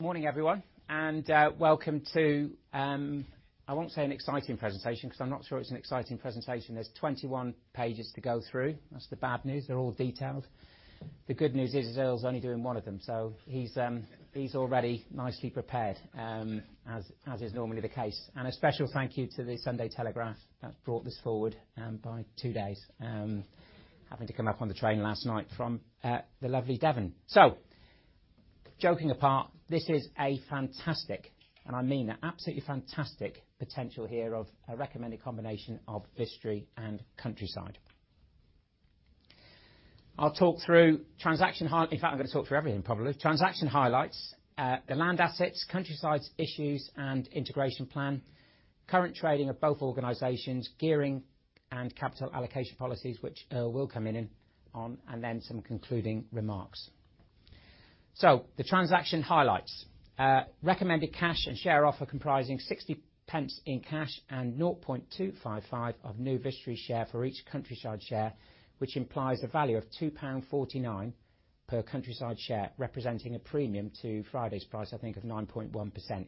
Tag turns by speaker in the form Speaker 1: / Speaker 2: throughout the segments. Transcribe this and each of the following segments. Speaker 1: Morning, everyone, and welcome to, I won't say an exciting presentation 'cause I'm not sure it's an exciting presentation. There's 21 pages to go through. That's the bad news. They're all detailed. The good news is Earl's only doing one of them, so he's already nicely prepared, as is normally the case. A special thank you to the Sunday Telegraph that's brought this forward by two days. Happened to come up on the train last night from the lovely Devon. Joking apart, this is a fantastic, and I mean that, absolutely fantastic potential here of a recommended combination of Vistry and Countryside. I'll talk through, in fact, I'm gonna talk through everything probably. Transaction highlights, the land assets, Countryside's issues and integration plan, current trading of both organizations, gearing and capital allocation policies, which Earl will come in on, and then some concluding remarks. The transaction highlights. Recommended cash and share offer comprising 0.60 in cash and 0.255 of new Vistry share for each Countryside share, which implies a value of 2.49 pound per Countryside share, representing a premium to Friday's price, I think, of 9.1%.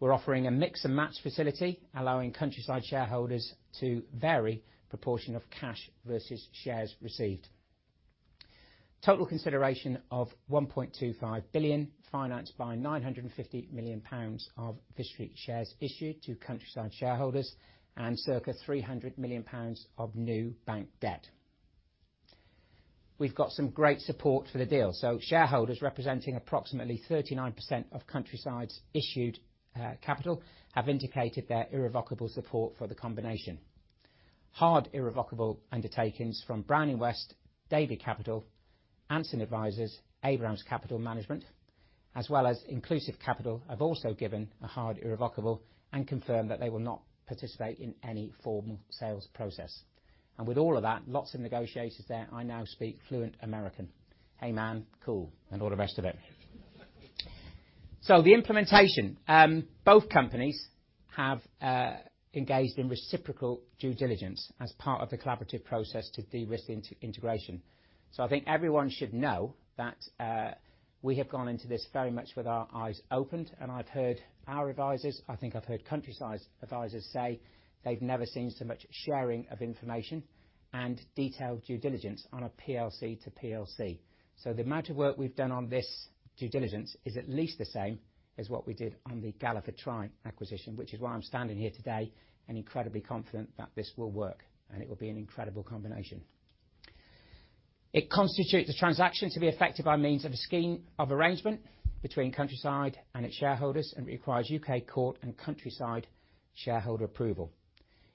Speaker 1: We're offering a mix and match facility, allowing Countryside shareholders to vary proportion of cash versus shares received. Total consideration of 1.25 billion financed by 950 million pounds of Vistry shares issued to Countryside shareholders and circa 300 million pounds of new bank debt. We've got some great support for the deal. Shareholders representing approximately 39% of Countryside's issued capital have indicated their irrevocable support for the combination. Hard irrevocable undertakings from Browning West, David Capital Partners, Anson Advisors, Abrams Capital Management, as well as Inclusive Capital Partners have also given and confirmed that they will not participate in any formal sales process. With all of that, lots of negotiators there, I now speak fluent American. "Hey, man. Cool," and all the rest of it. The implementation. Both companies have engaged in reciprocal due diligence as part of the collaborative process to de-risk integration. I think everyone should know that, we have gone into this very much with our eyes opened, and I've heard our advisors, I think I've heard Countryside's advisors say they've never seen so much sharing of information and detailed due diligence on a PLC to PLC. The amount of work we've done on this due diligence is at least the same as what we did on the Galliford Try acquisition, which is why I'm standing here today and incredibly confident that this will work and it will be an incredible combination. It constitutes a transaction to be effective by means of a scheme of arrangement between Countryside and its shareholders and requires U.K. court and Countryside shareholder approval.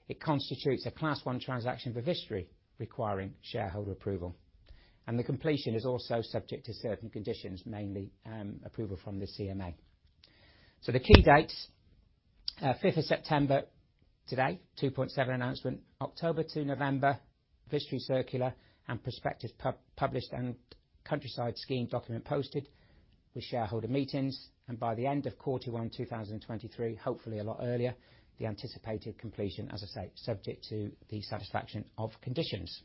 Speaker 1: It constitutes a Class 1 transaction for Vistry, requiring shareholder approval. The completion is also subject to certain conditions, mainly, approval from the CMA. The key dates, fifth of September, today, 2.7 announcement. October to November, Vistry circular and prospectus published and Countryside scheme document posted with shareholder meetings. By the end of Q1 2023, hopefully a lot earlier, the anticipated completion, as I say, subject to the satisfaction of conditions.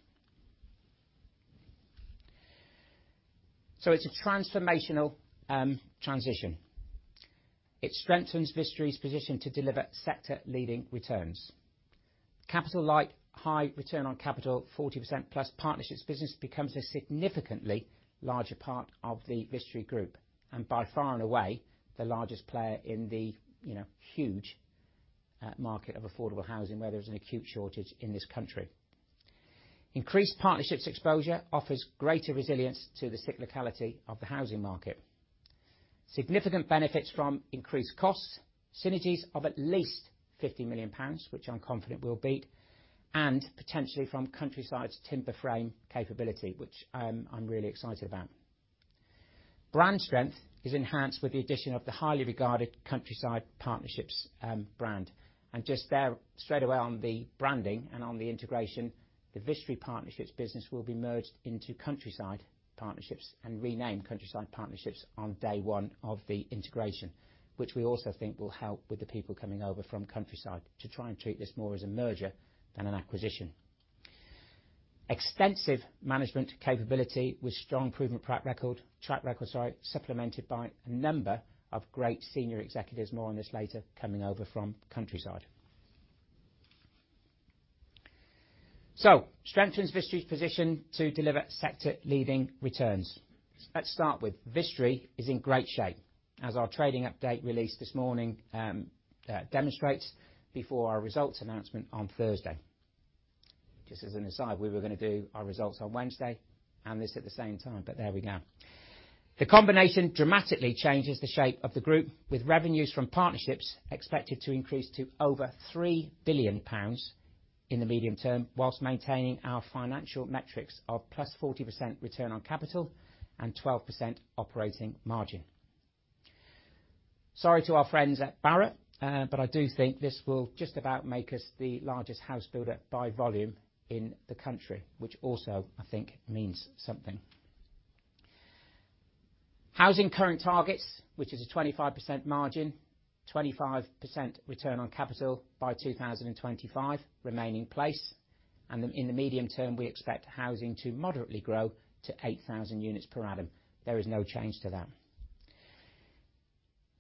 Speaker 1: It's a transformational transition. It strengthens Vistry's position to deliver sector-leading returns. Capital light, high return on capital, 40%+ Partnerships business becomes a significantly larger part of the Vistry Group, and by far and away, the largest player in the, you know, huge market of affordable housing, where there's an acute shortage in this country. Increased Partnerships exposure offers greater resilience to the cyclicality of the housing market. Significant benefits from cost synergies of at least 50 million pounds, which I'm confident we'll beat, and potentially from Countryside's timber frame capability, which, I'm really excited about. Brand strength is enhanced with the addition of the highly regarded Countryside Partnerships brand. Just there, straight away on the branding and on the integration, the Vistry Partnerships business will be merged into Countryside Partnerships and renamed Countryside Partnerships on day one of the integration, which we also think will help with the people coming over from Countryside to try and treat this more as a merger than an acquisition. Extensive management capability with strong proven track record, supplemented by a number of great senior executives, more on this later, coming over from Countryside. Strengthens Vistry's position to deliver sector-leading returns. Let's start with Vistry is in great shape, as our trading update released this morning demonstrates before our results announcement on Thursday. Just as an aside, we were gonna do our results on Wednesday and this at the same time, but there we go. The combination dramatically changes the shape of the group, with revenues from Partnerships expected to increase to over 3 billion pounds in the medium term, while maintaining our financial metrics of +40% return on capital and 12% operating margin. Sorry to our friends at Barratt, but I do think this will just about make us the largest house builder by volume in the country, which also, I think, means something. Housing current targets, which is a 25% margin, 25% return on capital by 2025 remaining in place, and then in the medium term, we expect housing to moderately grow to 8,000 units per annum. There is no change to that.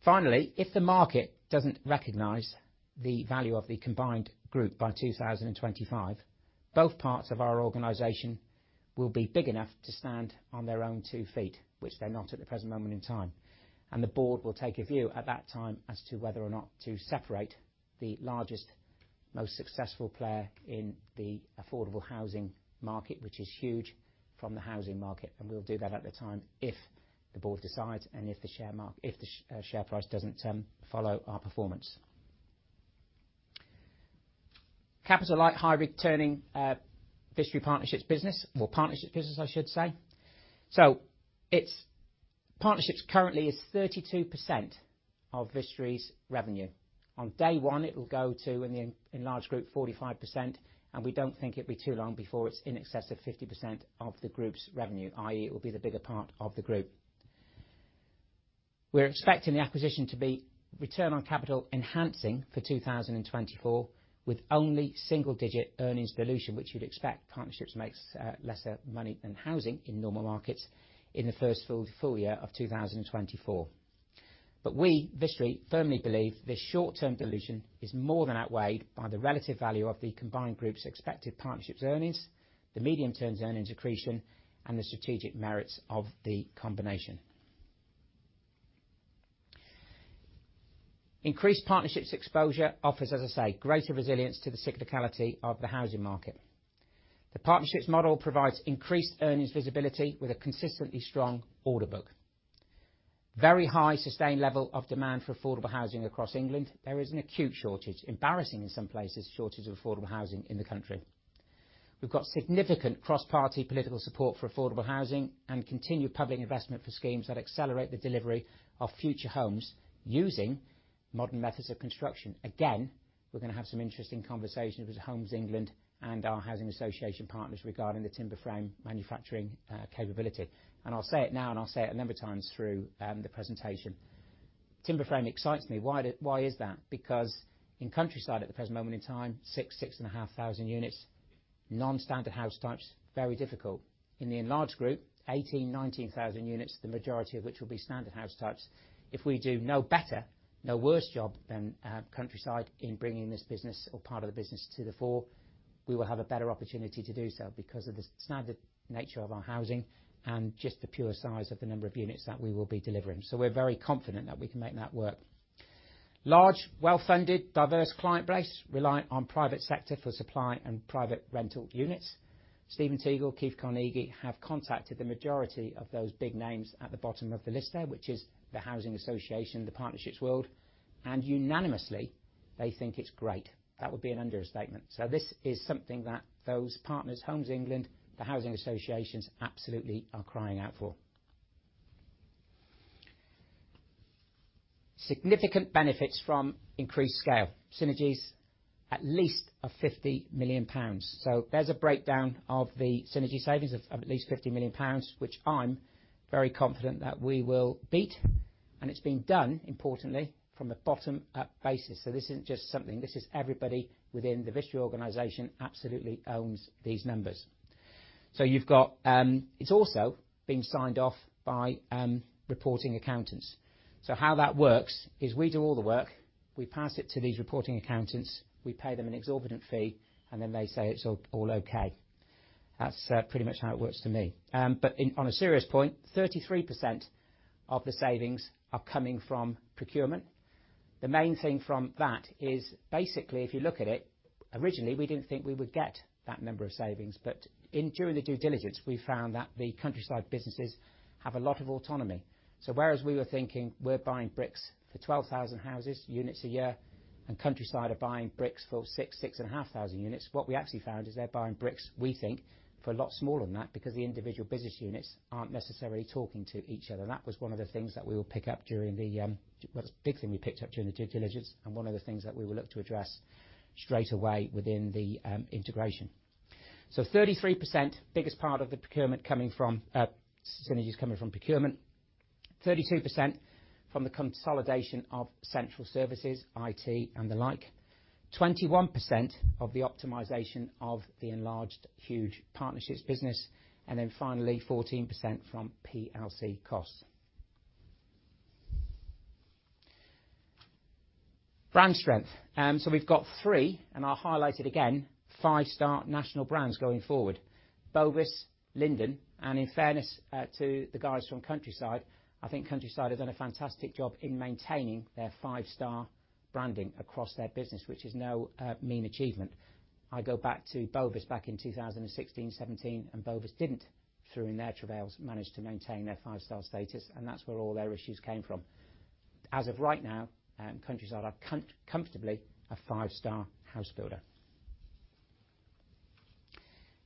Speaker 1: Finally, if the market doesn't recognize the value of the combined group by 2025, both parts of our organization will be big enough to stand on their own two feet, which they're not at the present moment in time. The board will take a view at that time as to whether or not to separate the largest, most successful player in the affordable housing market, which is huge from the housing market. We'll do that at the time if the board decides and if the share price doesn't follow our performance. Capital light, high returning, Vistry Partnerships business or Partnerships business, I should say. Partnerships currently is 32% of Vistry's revenue. On day one it will go to, in the enlarged group, 45%, and we don't think it'll be too long before it's in excess of 50% of the group's revenue, i.e. it will be the bigger part of the group. We're expecting the acquisition to be return on capital enhancing for 2024 with only single digit earnings dilution, which you'd expect. Partnerships makes lesser money than housing in normal markets in the first full year of 2024. We, Vistry, firmly believe this short term dilution is more than outweighed by the relative value of the combined group's expected Partnerships earnings, the medium term earnings accretion, and the strategic merits of the combination. Increased Partnerships exposure offers, as I say, greater resilience to the cyclicality of the housing market. The Partnerships model provides increased earnings visibility with a consistently strong order book. Very high sustained level of demand for affordable housing across England. There is an acute shortage, embarrassing in some places, shortage of affordable housing in the country. We've got significant cross-party political support for affordable housing and continued public investment for schemes that accelerate the delivery of future homes using modern methods of construction. Again, we're gonna have some interesting conversations with Homes England and our housing association partners regarding the timber frame manufacturing, capability. I'll say it now, and I'll say it a number of times through the presentation, timber frame excites me. Why is that? Because in Countryside, at the present moment in time, 6,500 units, non-standard house types, very difficult. In the enlarged group, 18,000-19,000 units, the majority of which will be standard house types. If we do no better, no worse job than Countryside in bringing this business or part of the business to the fore, we will have a better opportunity to do so because of the standard nature of our housing and just the pure size of the number of units that we will be delivering. We're very confident that we can make that work. Large, well-funded, diverse client base reliant on private sector for supply and private rental units. Stephen Teagle, Keith Carnegie, have contacted the majority of those big names at the bottom of the list there, which is the housing association, the Partnerships world, and unanimously they think it's great. That would be an understatement. This is something that those partners, Homes England, the housing associations, absolutely are crying out for. Significant benefits from increased scale. Synergies at least of 50 million pounds. There's a breakdown of the synergy savings of at least 50 million pounds, which I'm very confident that we will beat. It's been done importantly from a bottom up basis. This isn't just something, this is everybody within the Vistry organization absolutely owns these numbers. You've got. It's also been signed off by reporting accountants. How that works is we do all the work, we pass it to these reporting accountants, we pay them an exorbitant fee, and then they say, "It's all okay." That's pretty much how it works to me. On a serious point, 33% of the savings are coming from procurement. The main thing from that is basically if you look at it, originally we didn't think we would get that number of savings. In during the due diligence, we found that the Countryside businesses have a lot of autonomy. Whereas we were thinking, "We're buying bricks for 12,000 houses, units a year, and Countryside are buying bricks for 6-6.5 thousand units," what we actually found is they're buying bricks, we think, for a lot smaller than that because the individual business units aren't necessarily talking to each other. That was one of the things that we will pick up during the, well, it's a big thing we picked up during the due diligence and one of the things that we will look to address straight away within the, integration. 33% biggest part of the procurement coming from synergies coming from procurement. 32% from the consolidation of central services, IT, and the like. 21% of the optimization of the enlarged huge Partnerships business. 14% from PLC costs. Brand strength. We've got three, and I'll highlight it again, five-star national brands going forward, Bovis, Linden, and in fairness to the guys from Countryside, I think Countryside has done a fantastic job in maintaining their five-star branding across their business, which is no mean achievement. I go back to Bovis back in 2016, 2017, and Bovis didn't, through their travails, manage to maintain their five-star status, and that's where all their issues came from. As of right now, Countryside are comfortably a five-star house builder.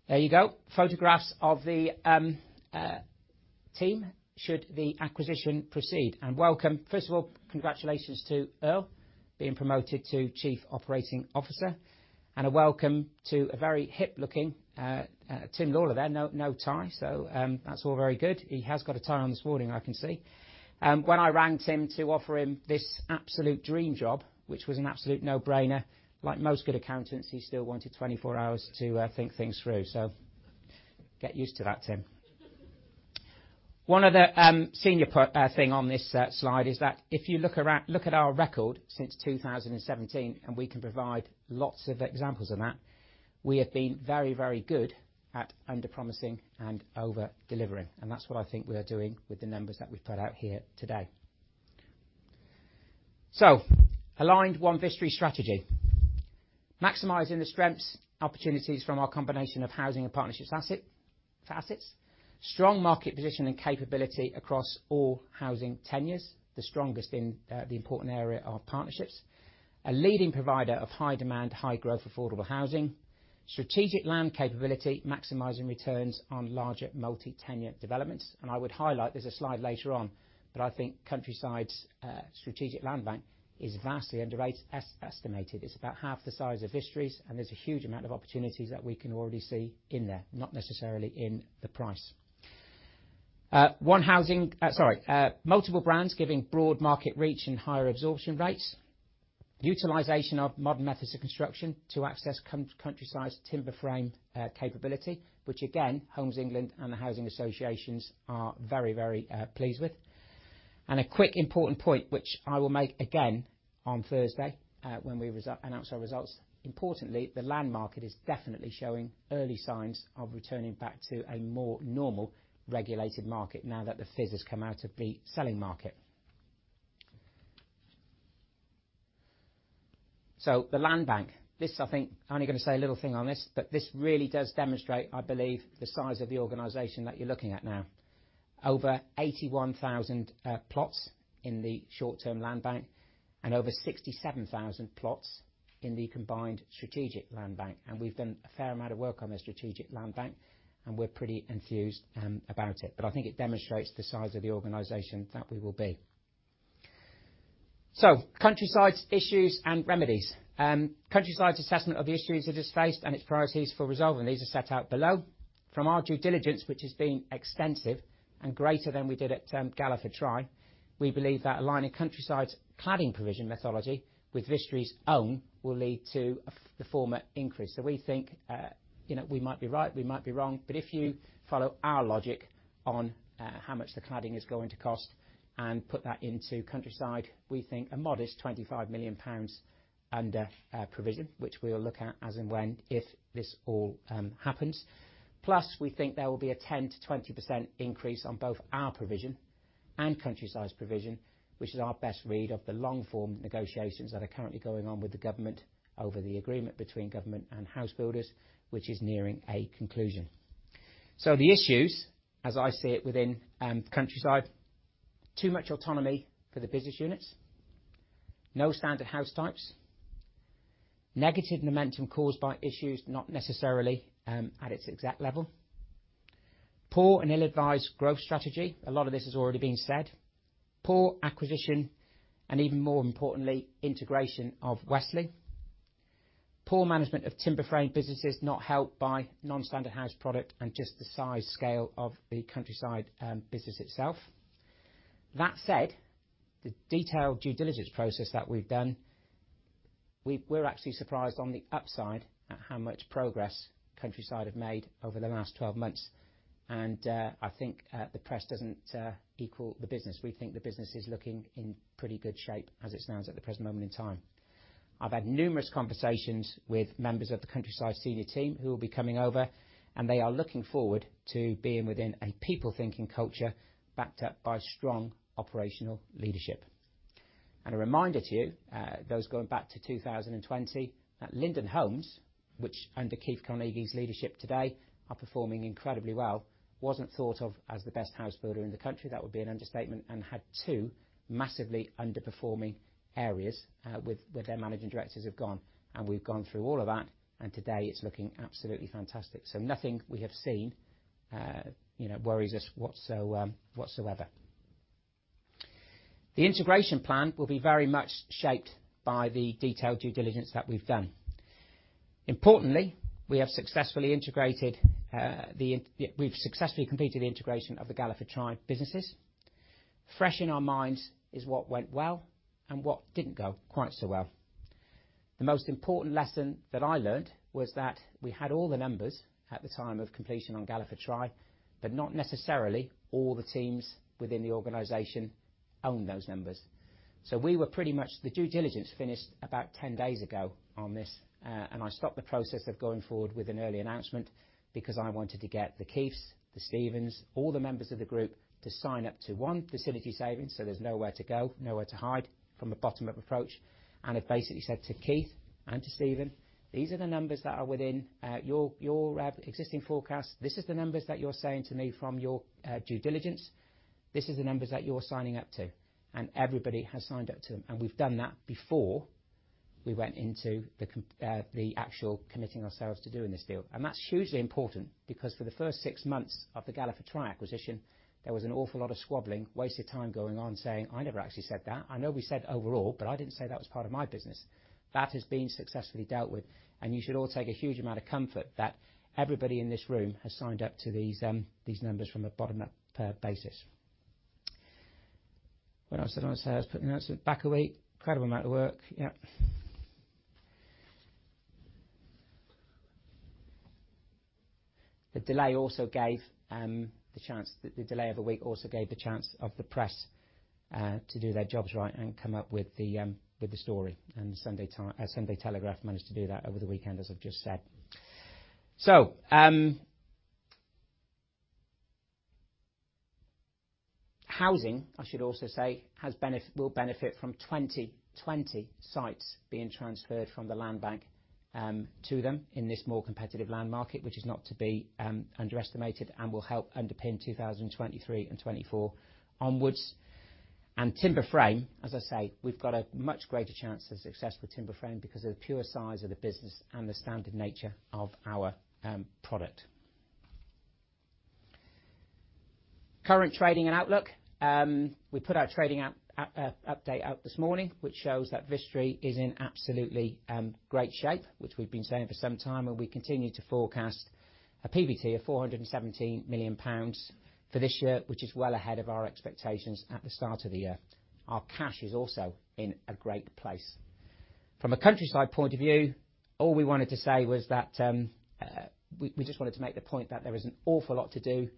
Speaker 1: There you go. Photographs of the team should the acquisition proceed. Welcome. First of all, congratulations to Earl Sibley being promoted to Chief Operating Officer, and a welcome to a very hip-looking Tim Lawlor there. No, no tie, so, that's all very good. He has got a tie on this morning, I can see. When I rang Tim Lawlor to offer him this absolute dream job, which was an absolute no-brainer, like most good accountants, he still wanted 24 hours to think things through. Get used to that, Tim. One other thing on this slide is that if you look at our record since 2017, and we can provide lots of examples of that, we have been very, very good at underpromising and over-delivering, and that's what I think we are doing with the numbers that we've put out here today. Aligned One Vistry strategy. Maximizing the strengths, opportunities from our combination of housing and partnerships asset, facets. Strong market position and capability across all housing tenures, the strongest in the important area of partnerships. A leading provider of high demand, high growth, affordable housing. Strategic land capability, maximizing returns on larger multi-tenure developments. I would highlight, there's a slide later on, but I think Countryside's strategic land bank is vastly underrated, estimated. It's about half the size of Vistry's, and there's a huge amount of opportunities that we can already see in there, not necessarily in the price. Multiple brands giving broad market reach and higher absorption rates. Utilization of modern methods of construction to access Countryside's timber frame capability, which again, Homes England and the housing associations are very pleased with. A quick important point, which I will make again on Thursday, when we announce our results, importantly, the land market is definitely showing early signs of returning back to a more normal regulated market now that the fizz has come out of the selling market. The land bank. This, I think, I'm only gonna say a little thing on this, but this really does demonstrate, I believe, the size of the organization that you're looking at now. Over 81,000 plots in the short-term land bank and over 67,000 plots in the combined strategic land bank. We've done a fair amount of work on the strategic land bank, and we're pretty enthused about it. I think it demonstrates the size of the organization that we will be. Countryside's issues and remedies. Countryside's assessment of the issues it has faced and its priorities for resolving these are set out below. From our due diligence, which has been extensive and greater than we did at Galliford Try, we believe that aligning Countryside's cladding provision methodology with Vistry's own will lead to the former increase. We think, you know, we might be right, we might be wrong, but if you follow our logic on how much the cladding is going to cost and put that into Countryside, we think a modest 25 million pounds under provision, which we'll look at as and when, if this all happens. Plus, we think there will be a 10%-20% increase on both our provision and Countryside's provision, which is our best read of the long-form negotiations that are currently going on with the government over the agreement between government and house builders, which is nearing a conclusion. The issues, as I see it within Countryside, too much autonomy for the business units, no standard house types, negative momentum caused by issues not necessarily at its exact level, poor and ill-advised growth strategy. A lot of this has already been said. Poor acquisition, and even more importantly, integration of Westleigh. Poor management of timber frame businesses, not helped by non-standard house product and just the size scale of the Countryside business itself. That said, the detailed due diligence process that we've done, we're actually surprised on the upside at how much progress Countryside have made over the last 12 months. I think the press doesn't equal the business. We think the business is looking in pretty good shape as it stands at the present moment in time. I've had numerous conversations with members of the Countryside senior team who will be coming over, and they are looking forward to being within a people-thinking culture backed up by strong operational leadership. A reminder to you, those going back to 2020, that Linden Homes, which under Keith Carnegie's leadership today are performing incredibly well, wasn't thought of as the best house builder in the country, that would be an understatement, and had two massively underperforming areas, with where their managing directors have gone. We've gone through all of that, and today it's looking absolutely fantastic. Nothing we have seen, you know, worries us whatsoever. The integration plan will be very much shaped by the detailed due diligence that we've done. Importantly, we've successfully completed the integration of the Galliford Try businesses. Fresh in our minds is what went well and what didn't go quite so well. The most important lesson that I learned was that we had all the numbers at the time of completion on Galliford Try, but not necessarily all the teams within the organization owned those numbers. We were pretty much. The due diligence finished about 10 days ago on this, and I stopped the process of going forward with an early announcement because I wanted to get the Keiths, the Stephens, all the members of the group to sign up to, one, facility savings, so there's nowhere to go, nowhere to hide from a bottom-up approach, and have basically said to Keith and to Stephen, "These are the numbers that are within, your, existing forecast. This is the numbers that you're saying to me from your, due diligence. This is the numbers that you're signing up to." Everybody has signed up to them. We've done that before we went into the actual committing ourselves to doing this deal. That's hugely important because for the first six months of the Galliford Try acquisition, there was an awful lot of squabbling, wasted time going on, saying, "I never actually said that. I know we said overall, but I didn't say that was part of my business." That has been successfully dealt with, and you should all take a huge amount of comfort that everybody in this room has signed up to these numbers from a bottom-up basis. What else did I want to say? I was putting the announcement back a week. Incredible amount of work. Yeah. The delay also gave the chance. The delay of a week also gave the chance of the press to do their jobs right and come up with the story. Sunday Telegraph managed to do that over the weekend, as I've just said. Housing, I should also say, will benefit from 2020 sites being transferred from the landbank to them in this more competitive land market, which is not to be underestimated and will help underpin 2023 and 2024 onwards. Timber frame, as I say, we've got a much greater chance of success for timber frame because of the pure size of the business and the standard nature of our product. Current trading and outlook. We put our trading update out this morning, which shows that Vistry is in absolutely great shape, which we've been saying for some time, and we continue to forecast a PBT of 417 million pounds for this year, which is well ahead of our expectations at the start of the year. Our cash is also in a great place. From a Countryside point of view, all we wanted to say was that we just wanted to make the point that there is an awful lot to do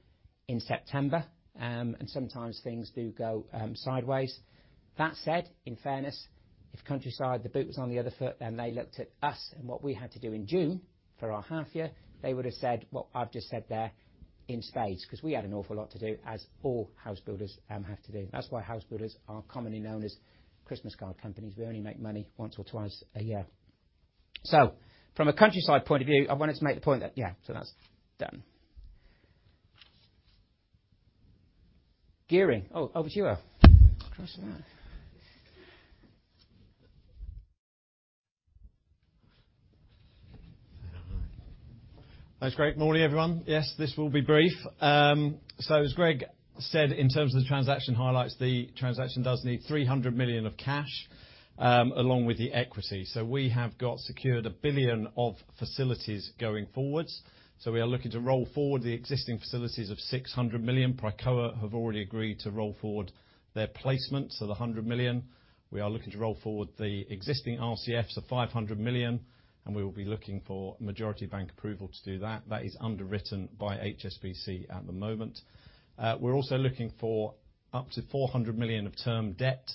Speaker 1: in September, and sometimes things do go sideways. That said, in fairness, if Countryside, the boot was on the other foot, and they looked at us and what we had to do in June for our half year, they would've said what I've just said there in spades 'cause we had an awful lot to do as all house builders have to do. That's why house builders are commonly known as Christmas card companies. We only make money once or twice a year. From a Countryside point of view, I wanted to make the point that, yeah, that's done. Gearing. Oh, over to you, Earl. Christ alive.
Speaker 2: There you are. Thanks, Greg. Morning, everyone. Yes, this will be brief. As Greg said, in terms of the transaction highlights, the transaction does need 300 million of cash, along with the equity. We have got secured 1 billion of facilities going forwards. We are looking to roll forward the existing facilities of 600 million. Pricoa have already agreed to roll forward their placement, so the 100 million. We are looking to roll forward the existing RCFs of 500 million, and we will be looking for majority bank approval to do that. That is underwritten by HSBC at the moment. We're also looking for up to 400 million of term debt,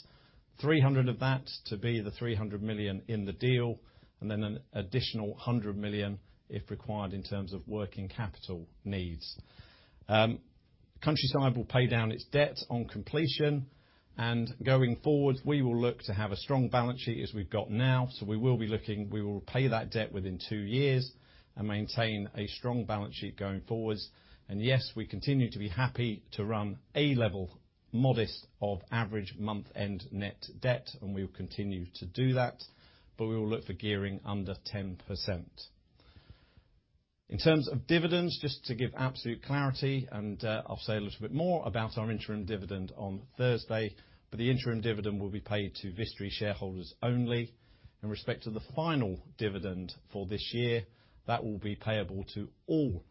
Speaker 2: 300 of that to be the 300 million in the deal, and then an additional 100 million if required in terms of working capital needs. Countryside will pay down its debt on completion. Going forward, we will look to have a strong balance sheet as we've got now. We will pay that debt within two years and maintain a strong balance sheet going forwards. We continue to be happy to run a relatively modest level of average month-end net debt, and we'll continue to do that. We will look for gearing under 10%. In terms of dividends, just to give absolute clarity, I'll say a little bit more about our interim dividend on Thursday, but the interim dividend will be paid to Vistry shareholders only. In respect to the final dividend for this year, that will be payable to all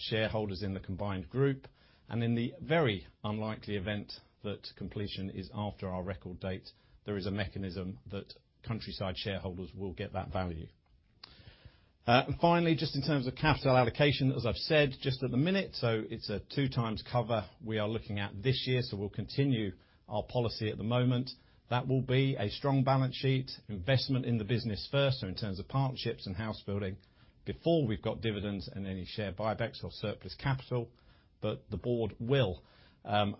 Speaker 2: shareholders in the combined group. In the very unlikely event that completion is after our record date, there is a mechanism that Countryside shareholders will get that value. Finally, just in terms of capital allocation, as I've said, just at the minute, so it's a 2x cover we are looking at this year. We'll continue our policy at the moment. That will be a strong balance sheet, investment in the business first, so in terms of partnerships and house building, before we've got dividends and any share buybacks or surplus capital. The board will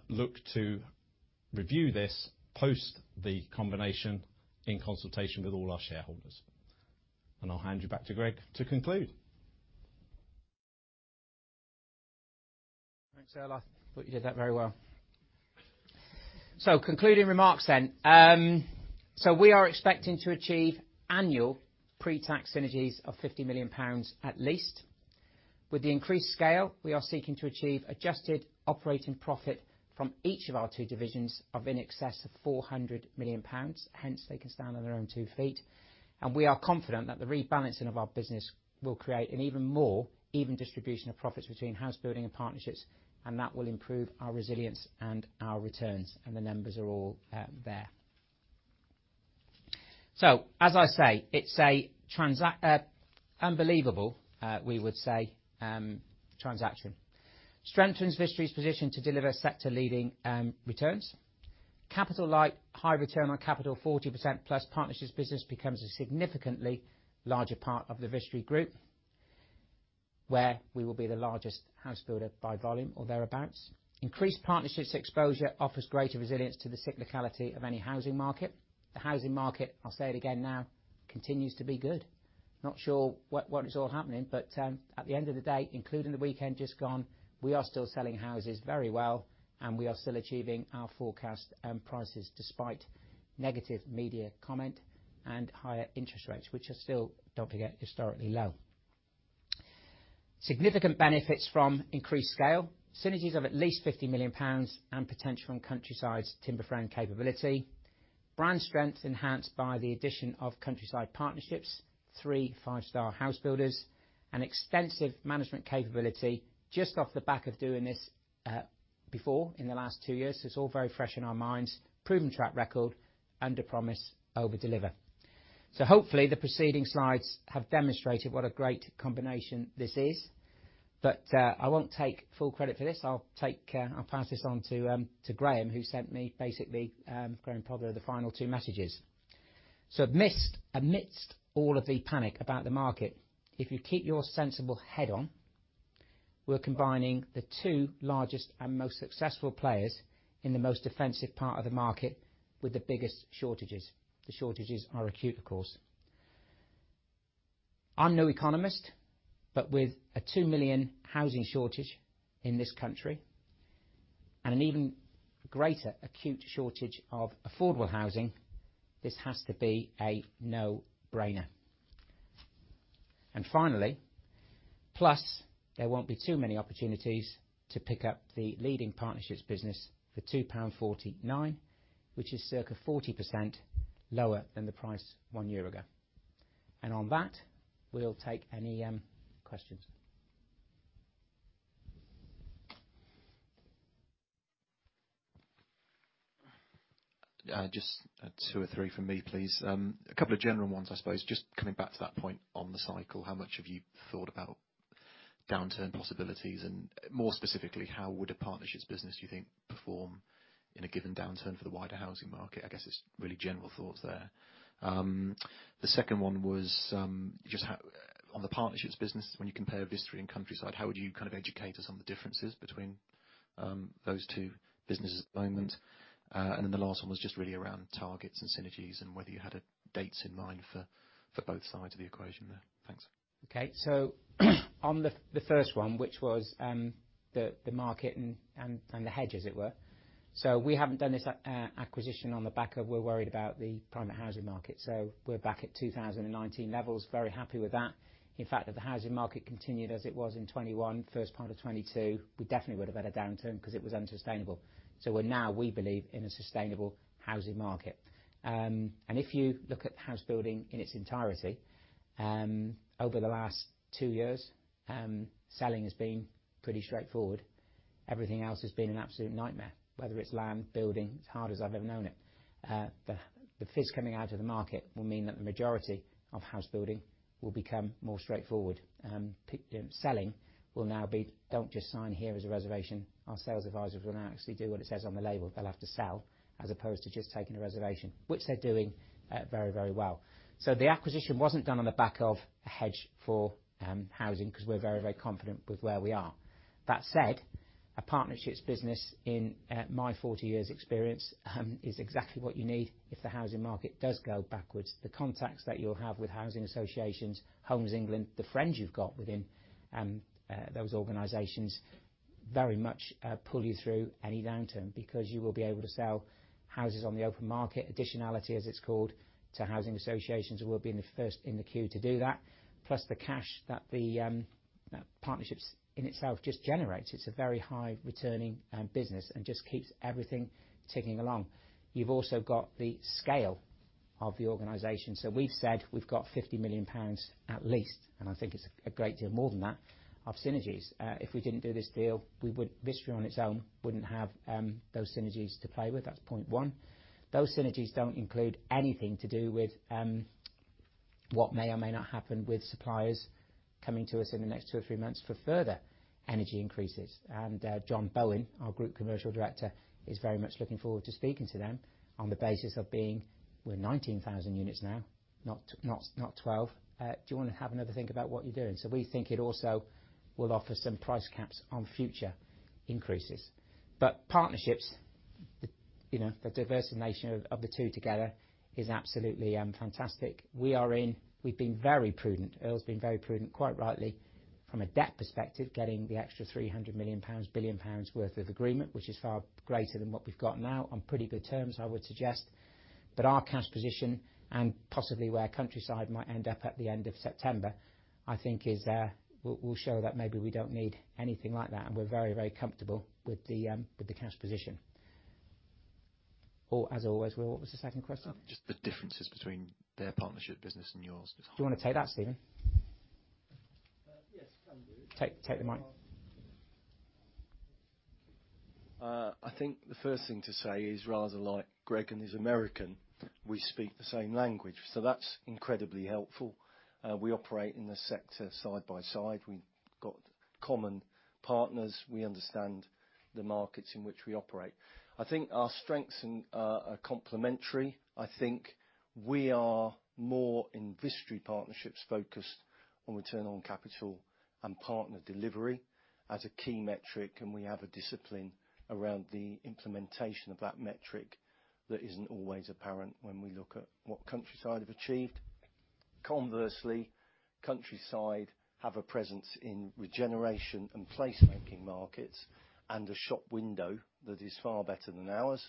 Speaker 2: look to review this post the combination in consultation with all our shareholders. I'll hand you back to Greg to conclude.
Speaker 1: Thanks, Earl. I thought you did that very well. Concluding remarks then. We are expecting to achieve annual pre-tax synergies of 50 million pounds at least. With the increased scale, we are seeking to achieve adjusted operating profit from each of our two divisions of in excess of 400 million pounds. Hence, they can stand on their own two feet. We are confident that the rebalancing of our business will create an even more even distribution of profits between house building and partnerships, and that will improve our resilience and our returns. The numbers are all there. As I say, it's an unbelievable, we would say, transaction. Strengthens Vistry's position to deliver sector-leading returns. Capital light, high return on capital 40%+ partnerships business becomes a significantly larger part of the Vistry Group, where we will be the largest house builder by volume or thereabouts. Increased partnerships exposure offers greater resilience to the cyclicality of any housing market. The housing market, I'll say it again now, continues to be good. Not sure what is all happening, but at the end of the day, including the weekend just gone, we are still selling houses very well, and we are still achieving our forecast prices despite negative media comment and higher interest rates, which are still, don't forget, historically low. Significant benefits from increased scale. Synergies of at least 50 million pounds and potential from Countryside's timber frame capability. Brand strength enhanced by the addition of Countryside Partnerships, three five-star house builders and extensive management capability just off the back of doing this before in the last two years. It's all very fresh in our minds. Proven track record, under promise, over deliver. Hopefully the preceding slides have demonstrated what a great combination this is. I won't take full credit for this. I'll pass this on to Graham, who sent me basically Graham Prothero, the final two messages. Amidst all of the panic about the market, if you keep your sensible head on, we're combining the two largest and most successful players in the most defensive part of the market with the biggest shortages. The shortages are acute, of course. I'm no economist, but with a 2 million housing shortage in this country, and an even greater acute shortage of affordable housing, this has to be a no-brainer. Finally, plus, there won't be too many opportunities to pick up the leading partnerships business for 2.49 pound, which is circa 40% lower than the price one year ago. On that, we'll take any questions.
Speaker 3: Just two or three from me, please. A couple of general ones, I suppose. Just coming back to that point on the cycle, how much have you thought about downturn possibilities? More specifically, how would a partnerships business, do you think, perform in a given downturn for the wider housing market? I guess it's really general thoughts there. The second one was on the partnerships business, when you compare Vistry and Countryside, how would you kind of educate us on the differences between those two businesses at the moment? Then the last one was just really around targets and synergies and whether you had dates in mind for both sides of the equation there. Thanks.
Speaker 1: Okay. On the first one, which was the market and the hedge, as it were. We haven't done this acquisition on the back of we're worried about the private housing market. We're back at 2019 levels. Very happy with that. In fact, if the housing market continued as it was in 2021, first part of 2022, we definitely would have had a downturn 'cause it was unsustainable. We're now, we believe, in a sustainable housing market. If you look at house building in its entirety, over the last two years, selling has been pretty straightforward. Everything else has been an absolute nightmare, whether it's land, building, it's hard as I've ever known it. The FIS coming out of the market will mean that the majority of house building will become more straightforward. Selling will now be, "Don't just sign here as a reservation." Our sales advisors will now actually do what it says on the label. They'll have to sell as opposed to just taking a reservation, which they're doing very, very well. The acquisition wasn't done on the back of a hedge for housing 'cause we're very, very confident with where we are. That said, a partnerships business in my 40 years experience is exactly what you need if the housing market does go backwards. The contacts that you'll have with housing associations, Homes England, the friends you've got within those organizations very much pull you through any downturn because you will be able to sell houses on the open market, additionality as it's called, to housing associations who will be in the first in the queue to do that. Plus the cash that the partnerships in itself just generates. It's a very high returning business and just keeps everything ticking along. You've also got the scale of the organization. We've said we've got 50 million pounds at least, and I think it's a great deal more than that, of synergies. If we didn't do this deal, Vistry on its own wouldn't have those synergies to play with. That's point one. Those synergies don't include anything to do with what may or may not happen with suppliers coming to us in the next two or three months for further energy increases. John Bowen, our Group Commercial Director, is very much looking forward to speaking to them on the basis of being, we're 19,000 units now, not 12. Do you wanna have another think about what you're doing? We think it also will offer some price caps on future increases. Partnerships, you know, the diversification of the two together is absolutely fantastic. We've been very prudent. Earl's been very prudent, quite rightly, from a debt perspective, getting the extra 300 million pounds, billion pounds worth of agreement, which is far greater than what we've got now, on pretty good terms, I would suggest. Our cash position and possibly where Countryside might end up at the end of September, I think is will show that maybe we don't need anything like that and we're very, very comfortable with the cash position. As always, what was the second question?
Speaker 3: Just the differences between their partnership business and yours.
Speaker 1: Do you wanna take that, Stephen?
Speaker 4: Yes, can do.
Speaker 1: Take the mic.
Speaker 4: I think the first thing to say is rather like Greg and his American, we speak the same language, so that's incredibly helpful. We operate in the sector side by side. We've got common partners. We understand the markets in which we operate. I think our strengths in are complementary. I think we are more in Vistry Partnerships focused on return on capital and partner delivery as a key metric, and we have a discipline around the implementation of that metric that isn't always apparent when we look at what Countryside have achieved. Conversely, Countryside have a presence in regeneration and place-making markets and a shop window that is far better than ours,